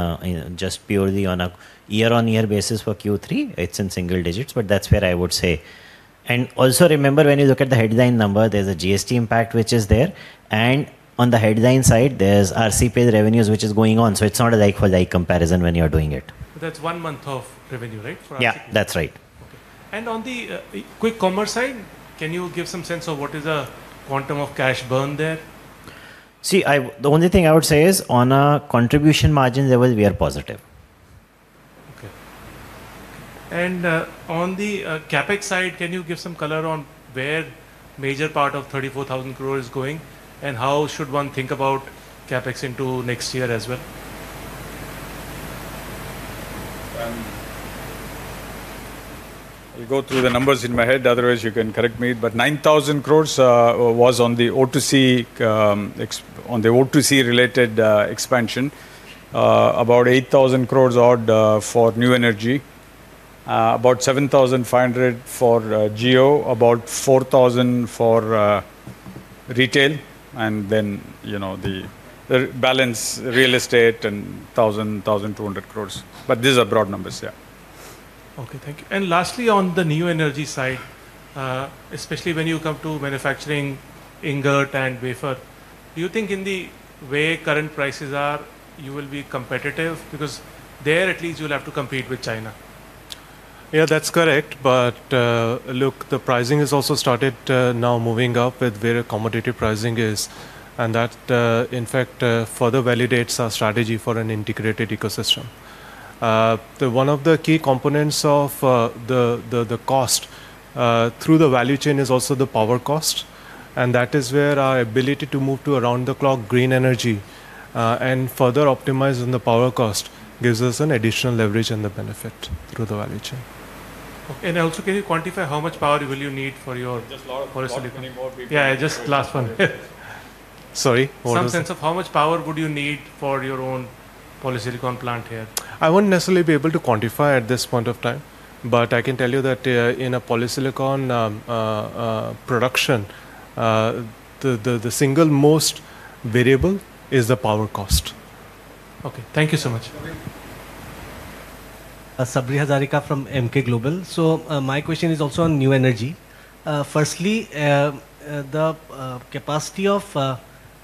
just purely on a year-on-year basis for Q3. It's in single digits, but that's where I would say. And also remember when you look at the headline number, there's a GST impact which is there. And on the headline side, there's RCPA revenues which is going on. So it's not a like-for-like comparison when you're doing it. That's one month of revenue, right? Yeah, that's right. Okay. And on the quick commerce side, can you give some sense of what is a quantum of cash burn there? See, the only thing I would say is on a contribution margin level, we are positive. Okay. And on the CapEx side, can you give some color on where a major part of 34,000 crore is going and how should one think about CapEx into next year as well? I'll go through the numbers in my head, otherwise you can correct me. But 9,000 crores was on the O2C-related expansion, about 8,000 crores odd for new energy, about 7,500 for Jio, about 4,000 for retail, and then the balance real estate and 1,000, 1,200 crores. But these are broad numbers, yeah. Okay, thank you. And lastly, on the new energy side, especially when you come to manufacturing Ingot and Wafer, do you think in the way current prices are, you will be competitive because there at least you'll have to compete with China? Yeah, that's correct. But look, the pricing has also started now moving up with where accommodative pricing is, and that in fact further validates our strategy for an integrated ecosystem. One of the key components of the cost through the value chain is also the power cost, and that is where our ability to move to around-the-clock green energy and further optimize on the power cost gives us an additional leverage and the benefit through the value chain. And also can you quantify how much power will you need for your polysilicon? Yeah, just last one. Sorry. Some sense of how much power would you need for your own polysilicon plant here? I won't necessarily be able to quantify at this point of time, but I can tell you that in a polysilicon production, the single most variable is the power cost. Okay, thank you so much. Sabri Hazarika from Emkay Global. So my question is also on new energy. Firstly, the capacity of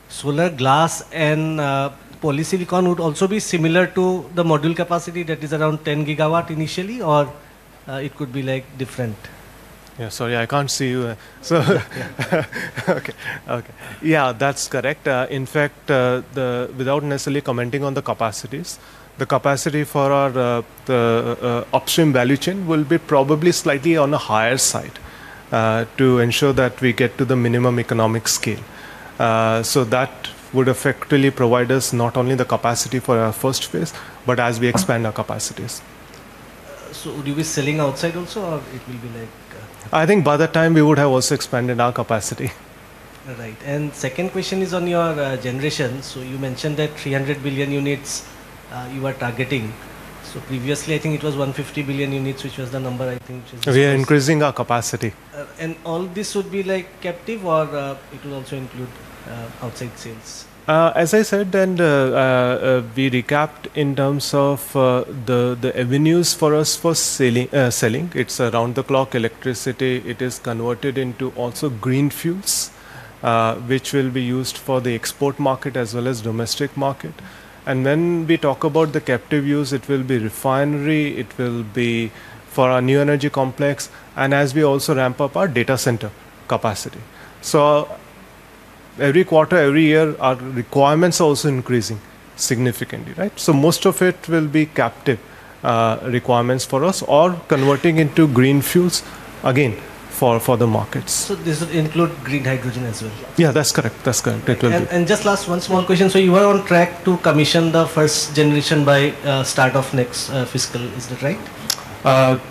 solar glass and polysilicon would also be similar to the module capacity that is around 10 gigawatt initially, or it could be different? Yeah, sorry, I can't see you. Okay, okay. Yeah, that's correct. In fact, without necessarily commenting on the capacities, the capacity for our upstream value chain will be probably slightly on the higher side to ensure that we get to the minimum economic scale. That would effectively provide us not only the capacity for our first phase, but as we expand our capacities. Would you be selling outside also, or it will be like? I think by the time we would have also expanded our capacity. Right. The second question is on your generation. You mentioned that 300 billion units you are targeting. Previously, I think it was 150 billion units, which was the number I think. We are increasing our capacity. All this would be like captive or it will also include outside sales? As I said, we recapped in terms of the avenues for us for selling. It's around-the-clock electricity. It is converted into also green fuels, which will be used for the export market as well as domestic market. When we talk about the captive use, it will be refinery, it will be for our new energy complex, and as we also ramp up our data center capacity. So every quarter, every year, our requirements are also increasing significantly, right? So most of it will be captive requirements for us or converting into green fuels again for the markets. So this will include green hydrogen as well? Yeah, that's correct. That's correct. It will be. And just last one small question. So you are on track to commission the first generation by start of next fiscal. Is that right?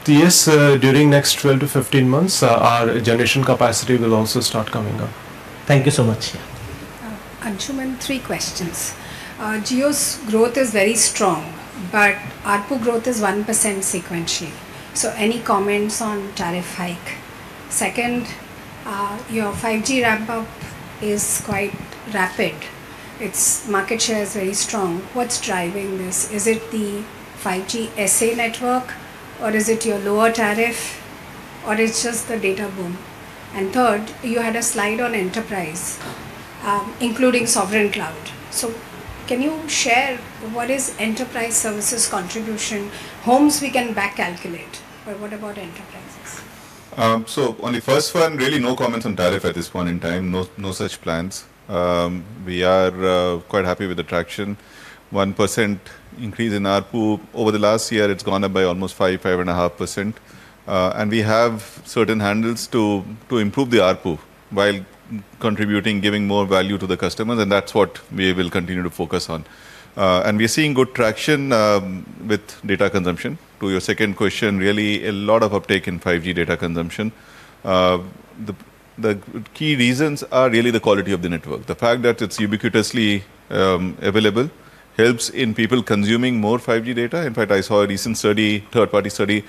Yes, during next 12-15 months, our generation capacity will also start coming up. Thank you so much. Anshuman, three questions. Jio's growth is very strong, but ARPU growth is 1% sequentially. So any comments on tariff hike? Second, your 5G ramp-up is quite rapid. It's market share is very strong. What's driving this? Is it the 5G SA network, or is it your lower tariff, or is it just the data boom? And third, you had a slide on enterprise, including sovereign cloud. So can you share what is enterprise services contribution? Homes we can back calculate, but what about enterprises? So on the first one, really no comments on tariff at this point in time. No such plans. We are quite happy with the traction. 1% increase in ARPU. Over the last year, it's gone up by almost 5%-5.5%. And we have certain handles to improve the ARPU while contributing, giving more value to the customers, and that's what we will continue to focus on. And we are seeing good traction with data consumption. To your second question, really a lot of uptake in 5G data consumption. The key reasons are really the quality of the network. The fact that it's ubiquitously available helps in people consuming more 5G data. In fact, I saw a recent study, third-party study,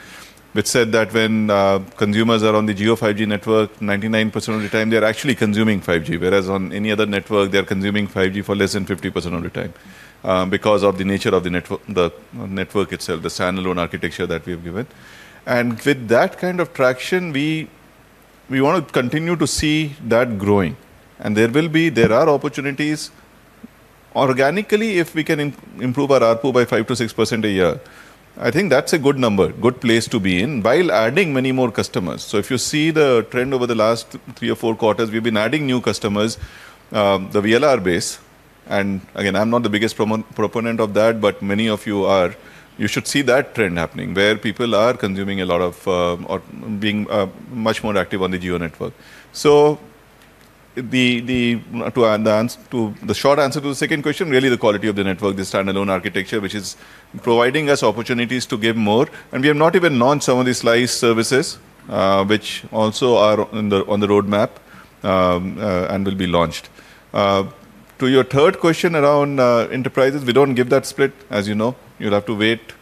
which said that when consumers are on the Jio 5G network, 99% of the time they are actually consuming 5G, whereas on any other network, they are consuming 5G for less than 50% of the time because of the nature of the network itself, the standalone architecture that we have given. And with that kind of traction, we want to continue to see that growing. And there are opportunities organically if we can improve our ARPU by 5%-6% a year. I think that's a good number, good place to be in while adding many more customers. So if you see the trend over the last three or four quarters, we've been adding new customers, the VLR base. And again, I'm not the biggest proponent of that, but many of you are. You should see that trend happening where people are consuming a lot more or being much more active on the Jio network. So the short answer to the second question, really the quality of the network, the standalone architecture, which is providing us opportunities to give more. And we have not even launched some of these slice services, which also are on the roadmap and will be launched. To your third question around enterprises, we don't give that split, as you know. You'll have to wait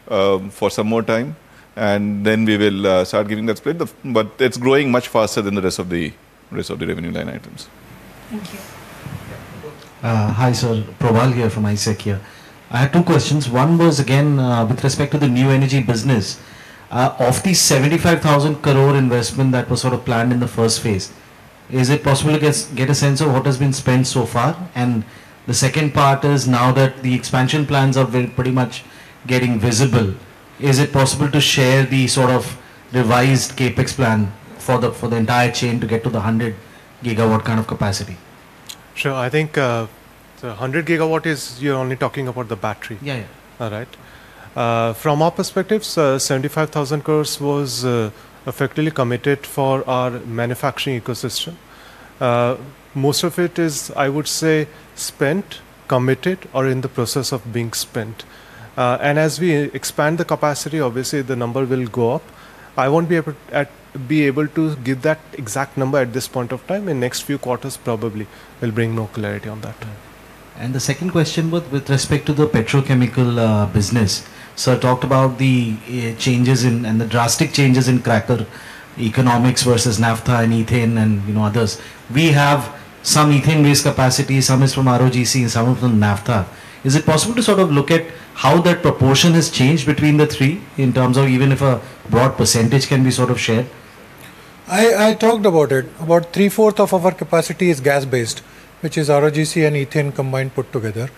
for some more time, and then we will start giving that split. But it's growing much faster than the rest of the revenue line items. Thank you. Hi, sir. Probal here from ICICI Securities. I have two questions. One was, again, with respect to the new energy business, of the 75,000 crore investment that was sort of planned in the first phase, is it possible to get a sense of what has been spent so far? And the second part is now that the expansion plans are pretty much getting visible, is it possible to share the sort of revised CapEx plan for the entire chain to get to the 100 gigawatt kind of capacity? Sure. I think the 100 gigawatt is you're only talking about the battery. Yeah, yeah. All right. From our perspective, 75,000 crores was effectively committed for our manufacturing ecosystem. Most of it is, I would say, spent, committed, or in the process of being spent. And as we expand the capacity, obviously the number will go up. I won't be able to give that exact number at this point of time. In next few quarters, probably we'll bring more clarity on that. And the second question with respect to the petrochemical business. So I talked about the changes and the drastic changes in cracker economics versus naphtha and ethane and others. We have some ethane-based capacity, some is from ROGC, and some of them naphtha. Is it possible to sort of look at how that proportion has changed between the three in terms of even if a broad percentage can be sort of shared? I talked about it. About three-fourths of our capacity is gas-based, which is ROGC and ethane combined put together.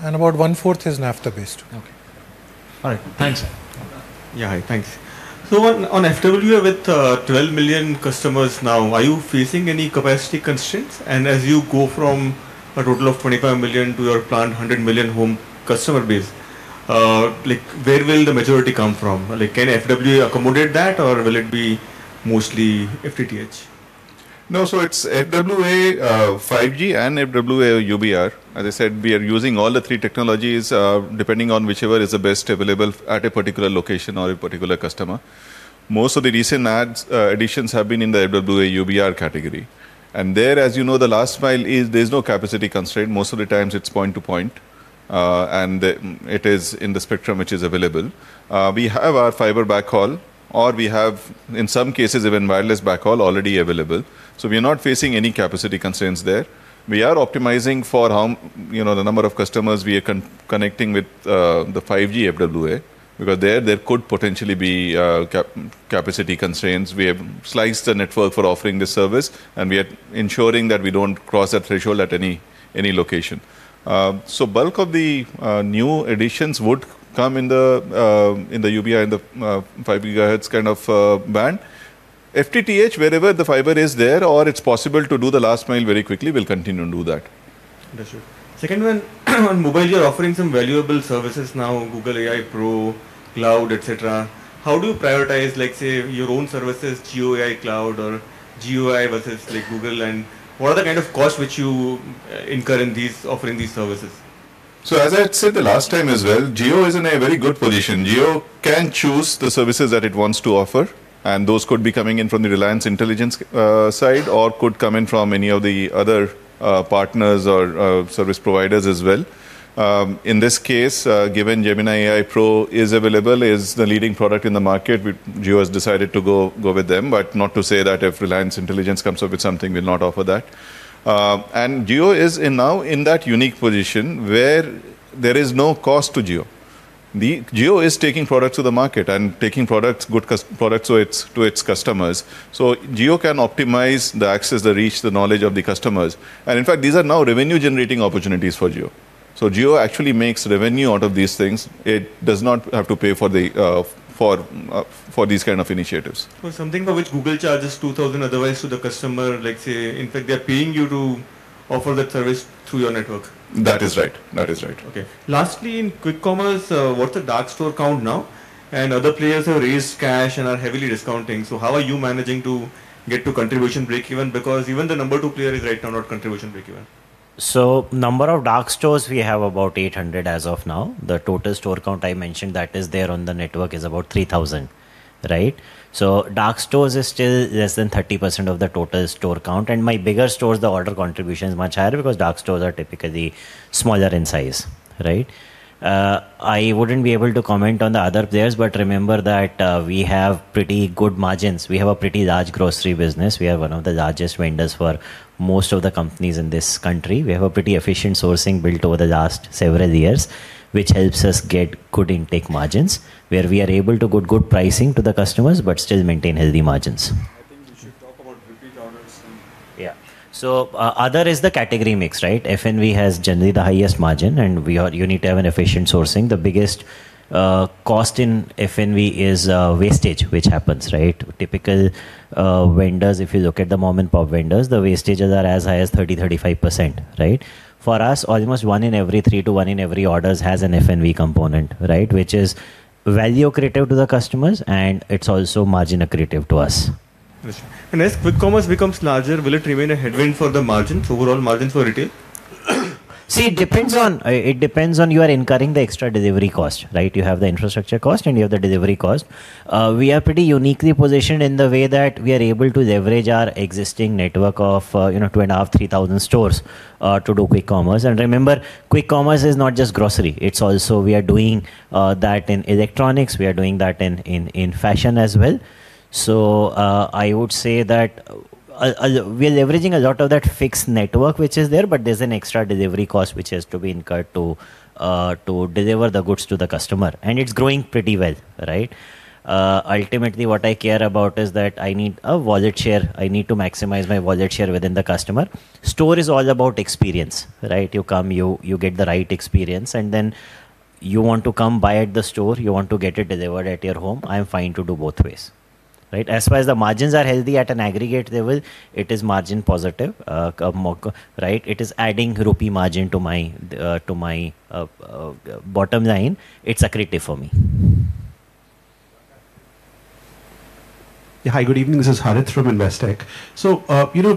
And about one-fourth is naphtha-based. Okay. All right. Thanks. Yeah, hi. Thanks. So on FWA with 12 million customers now, are you facing any capacity constraints? And as you go from a total of 25 million to your planned 100 million home customer base, where will the majority come from? Can FW accommodate that, or will it be mostly FTTH? No, so it's FWA 5G and FWA UBR. As I said, we are using all the three technologies depending on whichever is the best available at a particular location or a particular customer. Most of the recent additions have been in the FWA UBR category. And there, as you know, the last mile is, there's no capacity constraint. Most of the times it's point-to-point, and it is in the spectrum which is available. We have our fiber backhaul, or we have, in some cases, even wireless backhaul already available. So we are not facing any capacity constraints there. We are optimizing for the number of customers we are connecting with the 5G FWA because there could potentially be capacity constraints. We have sliced the network for offering the service, and we are ensuring that we don't cross that threshold at any location. So bulk of the new additions would come in the UBR and the 5 gigahertz kind of band. FTTH, wherever the fiber is there, or it's possible to do the last mile very quickly, we'll continue to do that. Understood. Second one, on Jio, you're offering some valuable services now, Gemini Pro, cloud, etc. How do you prioritize, let's say, your own services, Jio AI Cloud, or Jio AI versus Google? And what are the kind of costs which you incur in offering these services? So as I had said the last time as well, Jio is in a very good position. Jio can choose the services that it wants to offer, and those could be coming in from the Reliance Intelligence side or could come in from any of the other partners or service providers as well. In this case, given Gemini Pro is available, is the leading product in the market, Jio has decided to go with them, but not to say that if Reliance Intelligence comes up with something, we'll not offer that. Jio is now in that unique position where there is no cost to Jio. Jio is taking products to the market and taking products to its customers. Jio can optimize the access, the reach, the knowledge of the customers. In fact, these are now revenue-generating opportunities for Jio. Jio actually makes revenue out of these things. It does not have to pay for these kind of initiatives. Something for which Google charges $2,000 otherwise to the customer, let's say. In fact, they're paying you to offer that service through your network. That is right. That is right. Okay. Lastly, in quick commerce, what's the dark store count now? And other players have raised cash and are heavily discounting. So how are you managing to get to contribution breakeven? Because even the number two player is right now not contribution breakeven. So number of dark stores we have about 800 as of now. The total store count I mentioned that is there on the network is about 3,000, right? So dark stores is still less than 30% of the total store count. And my bigger stores, the order contribution is much higher because dark stores are typically smaller in size, right? I wouldn't be able to comment on the other players, but remember that we have pretty good margins. We have a pretty large grocery business. We are one of the largest vendors for most of the companies in this country. We have a pretty efficient sourcing built over the last several years, which helps us get good intake margins where we are able to get good pricing to the customers, but still maintain healthy margins. I think we should talk about repeat orders. Yeah. So other is the category mix, right? FNV has generally the highest margin, and you need to have an efficient sourcing. The biggest cost in FNV is wastage, which happens, right? Typical vendors, if you look at the moment, pop vendors, the wastages are as high as 30%-35%, right? For us, almost one in every three to one in every orders has an FNV component, right? Which is value creative to the customers, and it's also margin accretive to us. Understood. As quick commerce becomes larger, will it remain a headwind for the margins, overall margins for retail? See, it depends on you are incurring the extra delivery cost, right? You have the infrastructure cost, and you have the delivery cost. We are pretty uniquely positioned in the way that we are able to leverage our existing network of 2,500, 3,000 stores to do quick commerce. Remember, quick commerce is not just grocery. It's also we are doing that in electronics. We are doing that in fashion as well. I would say that we are leveraging a lot of that fixed network, which is there, but there's an extra delivery cost which has to be incurred to deliver the goods to the customer. And it's growing pretty well, right? Ultimately, what I care about is that I need a wallet share. I need to maximize my wallet share within the customer. Store is all about experience, right? You come, you get the right experience, and then you want to come by at the store. You want to get it delivered at your home. I'm fine to do both ways, right? As far as the margins are healthy at an aggregate level, it is margin positive, right? It is adding rupee margin to my bottom line. It's accretive for me. Hi, good evening. This is Harith from Investec.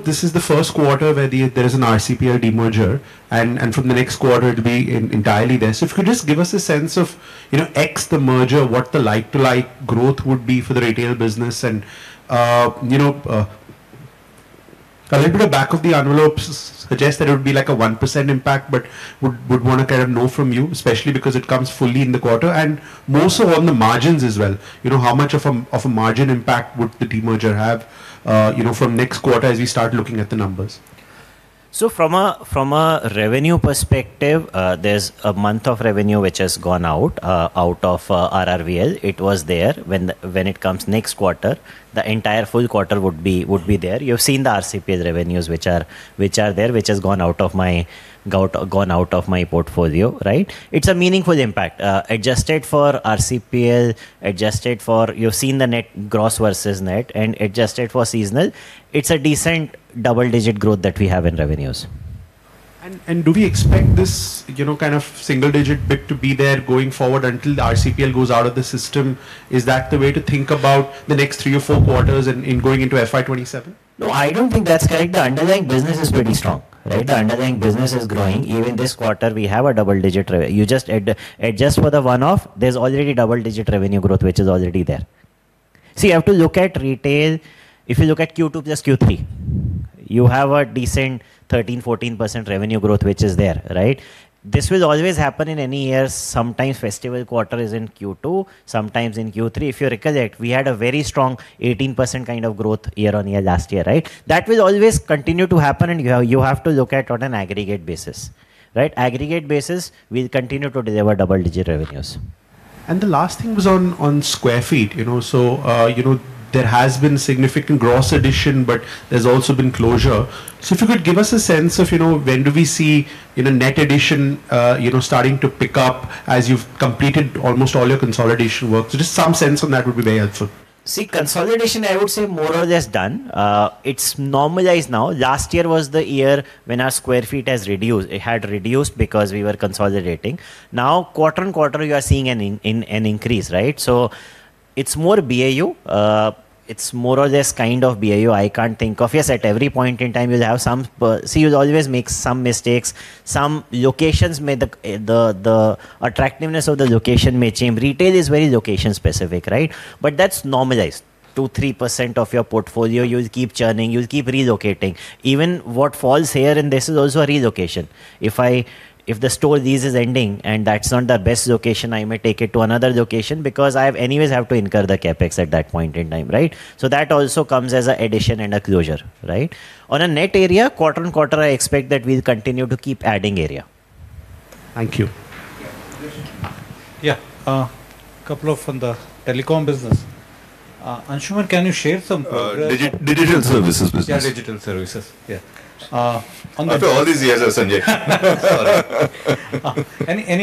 This is the first quarter where there is an RCPL merger, and from the next quarter, it will be entirely there. If you could just give us a sense of the merger, what the like-for-like growth would be for the retail business. A little bit of back-of-the-envelope suggests that it would be like a 1% impact, but would want to kind of know from you, especially because it comes fully in the quarter and more so on the margins as well. How much of a margin impact would the demerger have from next quarter as we start looking at the numbers? From a revenue perspective, there is a month of revenue which has gone out of RRVL. It was there when it comes next quarter. The entire full quarter would be there. You've seen the RCPL revenues which are there, which has gone out of my portfolio, right? It's a meaningful impact. Adjusted for RCPL, adjusted for you've seen the net gross versus net, and adjusted for seasonal, it's a decent double-digit growth that we have in revenues. And do we expect this kind of single-digit bit to be there going forward until the RCPL goes out of the system? Is that the way to think about the next three or four quarters in going into FY27? No, I don't think that's correct. The underlying business is pretty strong, right? The underlying business is growing. Even this quarter, we have a double-digit revenue. You just adjust for the one-off, there's already double-digit revenue growth which is already there. See, you have to look at retail. If you look at Q2 plus Q3, you have a decent 13-14% revenue growth which is there, right? This will always happen in any year. Sometimes festival quarter is in Q2, sometimes in Q3. If you recollect, we had a very strong 18% kind of growth year on year last year, right? That will always continue to happen, and you have to look at on an aggregate basis, right? Aggregate basis, we'll continue to deliver double-digit revenues. And the last thing was on sq ft. So there has been significant gross addition, but there's also been closure. So if you could give us a sense of when do we see net addition starting to pick up as you've completed almost all your consolidation work, just some sense on that would be very helpful. See, consolidation, I would say more or less done. It's normalized now. Last year was the year when our square feet has reduced. It had reduced because we were consolidating. Now, quarter on quarter, you are seeing an increase, right? So it's more BAU. It's more or less kind of BAU I can't think of. Yes, at every point in time, you'll have some. See, you'll always make some mistakes. Some locations may, the attractiveness of the location may change. Retail is very location specific, right? But that's normalized. 2-3% of your portfolio, you'll keep churning, you'll keep relocating. Even what falls here in this is also a relocation. If the store lease is ending and that's not the best location, I may take it to another location because I anyways have to incur the CapEx at that point in time, right? So that also comes as an addition and a closure, right? On a net area, quarter on quarter, I expect that we'll continue to keep adding area. Thank you. Yeah, a couple of from the telecom business. Anshuman, can you share some progress? Digital services business. Yeah, digital services. After all these years, Sanjay. Any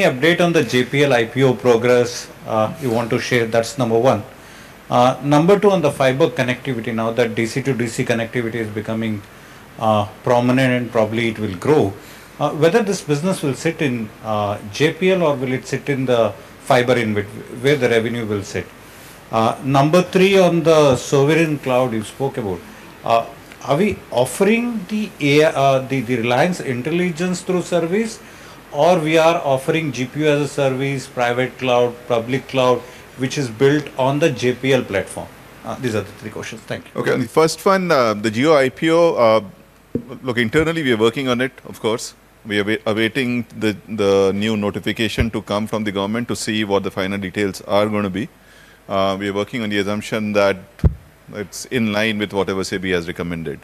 update on the JPL IPO progress you want to share? That's number one. Number two, on the fiber connectivity, now that DC to DC connectivity is becoming prominent and probably it will grow, whether this business will sit in JPL or will it sit in the fiber in which where the revenue will sit? Number three, on the sovereign cloud you spoke about, are we offering the Reliance Intelligence through service or we are offering GPU as a service, private cloud, public cloud, which is built on the JPL platform? These are the three questions. Thank you. Okay, on the first one, the Jio IPO, look, internally we are working on it, of course. We are awaiting the new notification to come from the government to see what the final details are going to be. We are working on the assumption that it's in line with whatever SEBI has recommended.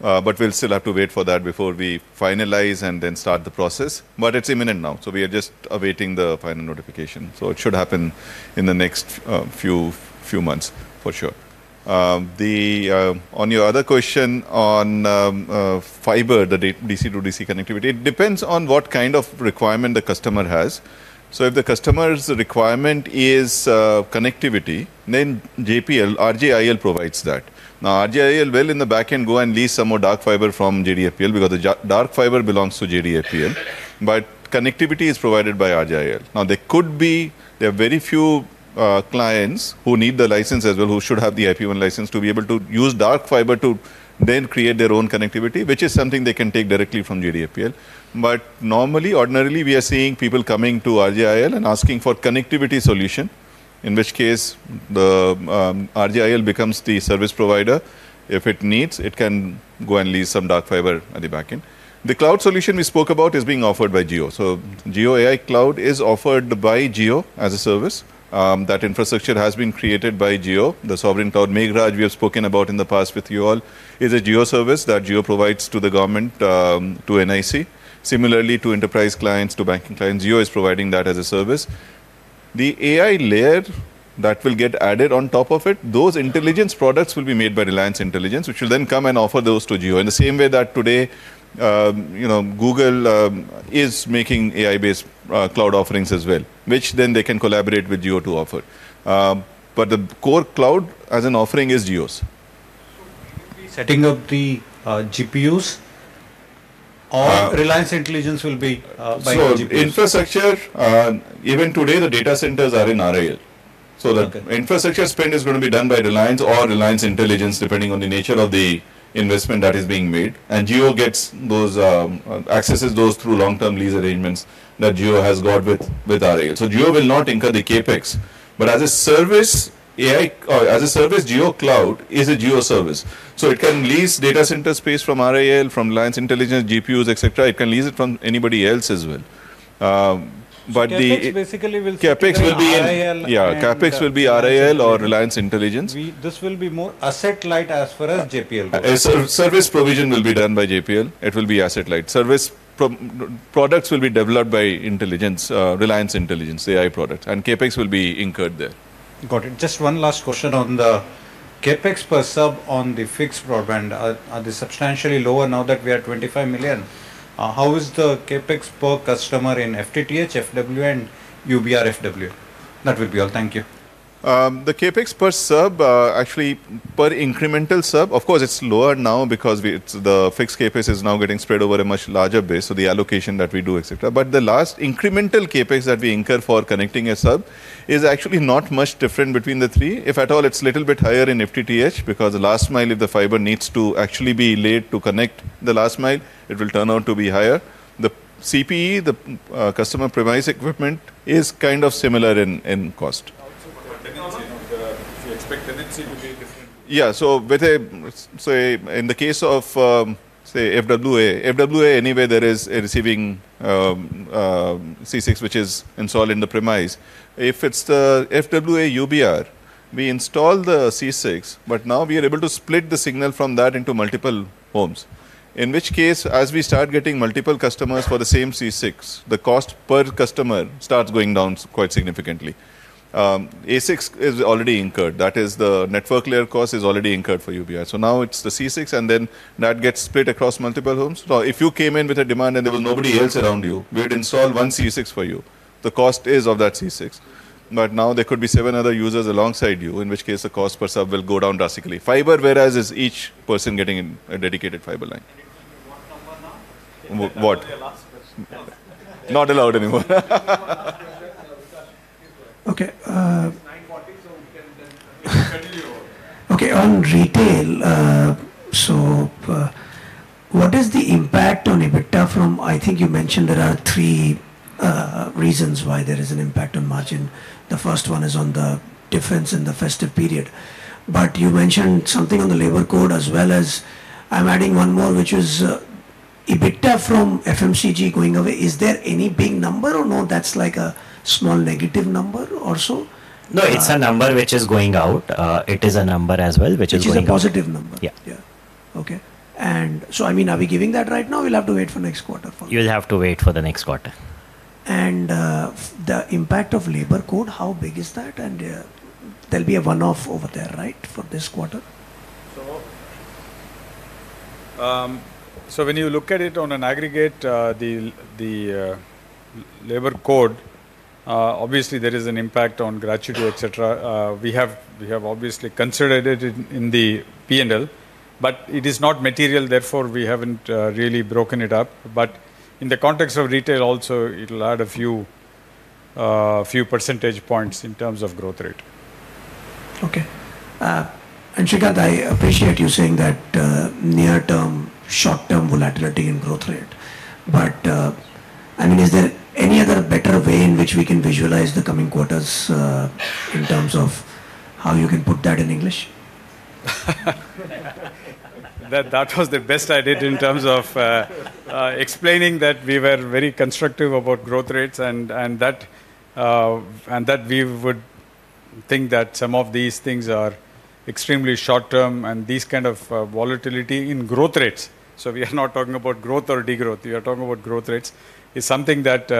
But we'll still have to wait for that before we finalize and then start the process. But it's imminent now. So we are just awaiting the final notification. So it should happen in the next few months for sure. On your other question on fiber, the DC to DC connectivity, it depends on what kind of requirement the customer has. So if the customer's requirement is connectivity, then JPL, RJIL provides that. Now, RJIL will in the backend go and lease some more dark fiber from JDFPL because the dark fiber belongs to JDFPL. But connectivity is provided by RJIL. Now, there are very few clients who need the license as well, who should have the IP1 license to be able to use dark fiber to then create their own connectivity, which is something they can take directly from JDFPL. But normally, ordinarily, we are seeing people coming to RJIL and asking for connectivity solution, in which case the RJIL becomes the service provider. If it needs, it can go and lease some dark fiber at the backend. The cloud solution we spoke about is being offered by Jio. So Jio AI Cloud is offered by Jio as a service. That infrastructure has been created by Jio. The sovereign cloud Meghraj we have spoken about in the past with you all is a Jio service that Jio provides to the government, to NIC. Similarly to enterprise clients, to banking clients, Jio is providing that as a service. The AI layer that will get added on top of it, those intelligence products will be made by Reliance Intelligence, which will then come and offer those to Jio. In the same way that today Google is making AI-based cloud offerings as well, which then they can collaborate with Jio to offer. But the core cloud as an offering is Jio's. Setting up the GPUs or Reliance Intelligence will be by Jio? So infrastructure, even today, the data centers are in RIL. So the infrastructure spend is going to be done by Reliance or Reliance Intelligence, depending on the nature of the investment that is being made. And Jio accesses those through long-term lease arrangements that Jio has got with RIL. So Jio will not incur the CapEx. But as a service, JioCloud is a Jio service. So it can lease data center space from RIL, from Reliance Industries, GPUs, etc. It can lease it from anybody else as well. But the CapEx will be in RIL. Yeah, CapEx will be RIL or Reliance Industries. This will be more asset-light as far as JPL goes. Service provision will be done by JPL. It will be asset-light. Service products will be developed by Reliance Industries, AI products. And CapEx will be incurred there. Got it. Just one last question on the CapEx per sub on the fixed broadband. Are they substantially lower now that we are 25 million? How is the CapEx per customer in FTTH, FWA, UBR, FWA? That will be all. Thank you. The CapEx per sub, actually per incremental sub, of course, it's lower now because the fixed CapEx is now getting spread over a much larger base. So the allocation that we do, etc. But the last incremental CapEx that we incur for connecting a sub is actually not much different between the three. If at all, it's a little bit higher in FTTH because the last mile if the fiber needs to actually be laid to connect the last mile, it will turn out to be higher. The CPE, the customer-provided equipment, is kind of similar in cost. If you expect tendency to be different. Yeah. So say in the case of, say, FWA, FWA anyway, there is a receiving C6, which is installed in the premises. If it's the FWA UBR, we install the C6, but now we are able to split the signal from that into multiple homes. In which case, as we start getting multiple customers for the same C6, the cost per customer starts going down quite significantly. A6 is already incurred. That is the network layer cost is already incurred for UBR. So now it's the C6, and then that gets split across multiple homes. Now, if you came in with a demand and there was nobody else around you, we would install one C6 for you. The cost is of that C6. But now there could be seven other users alongside you, in which case the cost per sub will go down drastically. Fiber, whereas is each person getting a dedicated fiber line. What? Not allowed anymore. Okay. Okay, on retail, so what is the impact on EBITDA from, I think you mentioned there are three reasons why there is an impact on margin? The first one is on the difference in the festive period. But you mentioned something on the labor code as well. As I'm adding one more, which is EBITDA from FMCG going away. Is there any big number or no? That's like a small negative number or so? No, it's a number which is going out. It is a number as well, which is going out. Which is a positive number. Yeah. Okay. And so I mean, are we giving that right now? We'll have to wait for next quarter for that. You'll have to wait for the next quarter. And the impact of labor code, how big is that? And there'll be a one-off over there, right, for this quarter? So when you look at it on an aggregate, the labor code, obviously there is an impact on gratuity, etc. We have obviously considered it in the P&L, but it is not material. Therefore, we haven't really broken it up. But in the context of retail also, it will add a few percentage points in terms of growth rate. Okay. Anshuman, I appreciate you saying that near-term, short-term volatility in growth rate. But I mean, is there any other better way in which we can visualize the coming quarters in terms of how you can put that in English? That was the best I did in terms of explaining that we were very constructive about growth rates and that we would think that some of these things are extremely short-term and these kind of volatility in growth rates. So we are not talking about growth or degrowth. We are talking about growth rates is something that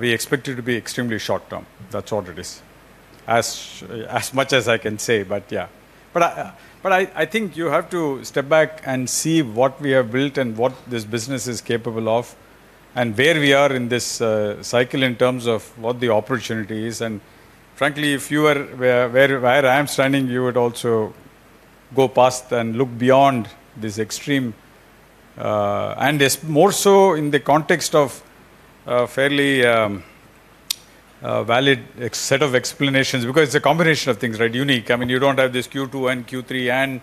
we expect it to be extremely short-term. That's what it is, as much as I can say, but yeah. But I think you have to step back and see what we have built and what this business is capable of and where we are in this cycle in terms of what the opportunity is. And frankly, if you were where I am standing, you would also go past and look beyond this extreme. And it's more so in the context of fairly valid set of explanations because it's a combination of things, right? Unique. I mean, you don't have this Q2 and Q3 and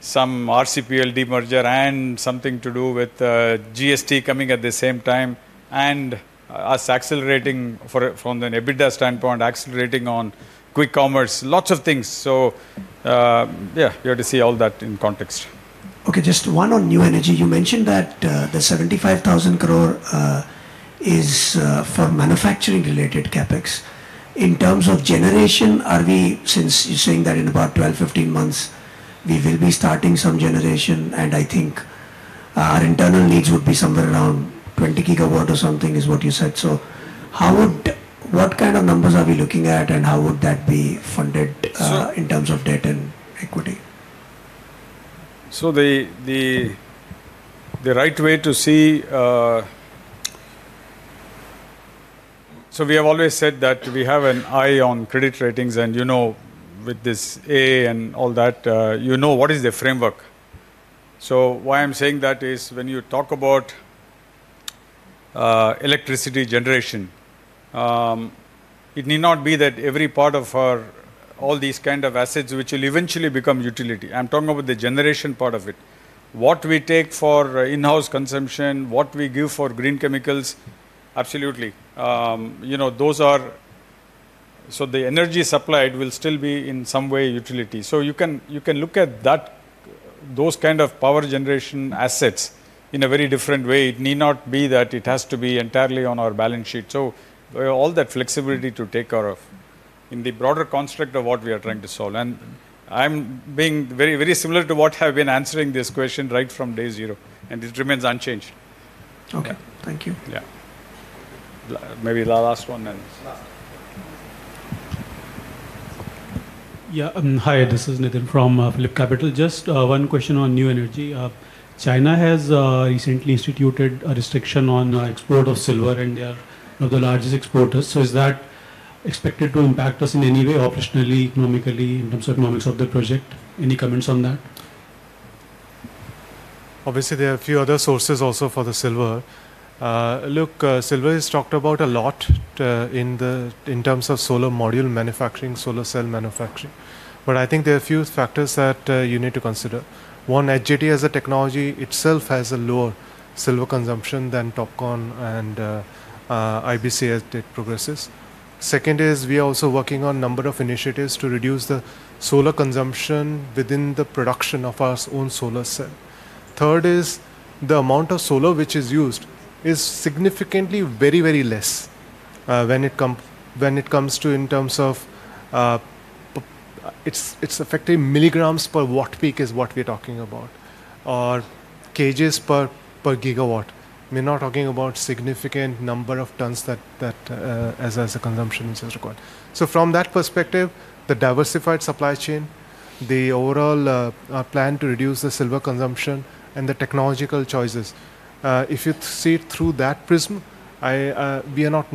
some RCPL demerger and something to do with GST coming at the same time and us accelerating from an EBITDA standpoint, accelerating on quick commerce, lots of things. So yeah, you have to see all that in context. Okay, just one on new energy. You mentioned that the 75,000 crore is for manufacturing-related CapEx. In terms of generation, are we, since you're saying that in about 12-15 months, we will be starting some generation? I think our internal needs would be somewhere around 20 gigawatts or something is what you said. What kind of numbers are we looking at and how would that be funded in terms of debt and equity? The right way to see, so we have always said that we have an eye on credit ratings and with this A and all that, you know what is the framework. Why I'm saying that is when you talk about electricity generation, it need not be that every part of all these kind of assets, which will eventually become utility. I'm talking about the generation part of it. What we take for in-house consumption, what we give for green chemicals, absolutely. So the energy supply, it will still be in some way utility. So you can look at those kind of power generation assets in a very different way. It need not be that it has to be entirely on our balance sheet. So all that flexibility to take care of in the broader construct of what we are trying to solve. And I'm being very similar to what have been answering this question right from day zero. And it remains unchanged. Okay. Thank you. Yeah. Maybe last one and. Yeah. Hi, this is Nitin from PhillipCapital. Just one question on new energy. China has recently instituted a restriction on export of silver and they are one of the largest exporters. So is that expected to impact us in any way operationally, economically, in terms of economics of the project? Any comments on that? Obviously, there are a few other sources also for the silver. Look, silver is talked about a lot in terms of solar module manufacturing, solar cell manufacturing. But I think there are a few factors that you need to consider. One, HJT as a technology itself has a lower silver consumption than TOPCon and IBC as it progresses. Second is we are also working on a number of initiatives to reduce the silver consumption within the production of our own solar cell. Third is the amount of silver which is used is significantly very, very less when it comes to in terms of it's effectively milligrams per watt peak is what we're talking about or kg per gigawatt. We're not talking about significant number of tons as a consumption which is required. So from that perspective, the diversified supply chain, the overall plan to reduce the silver consumption, and the technological choices. If you see it through that prism, we are not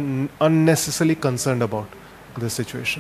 unnecessarily concerned about the situation.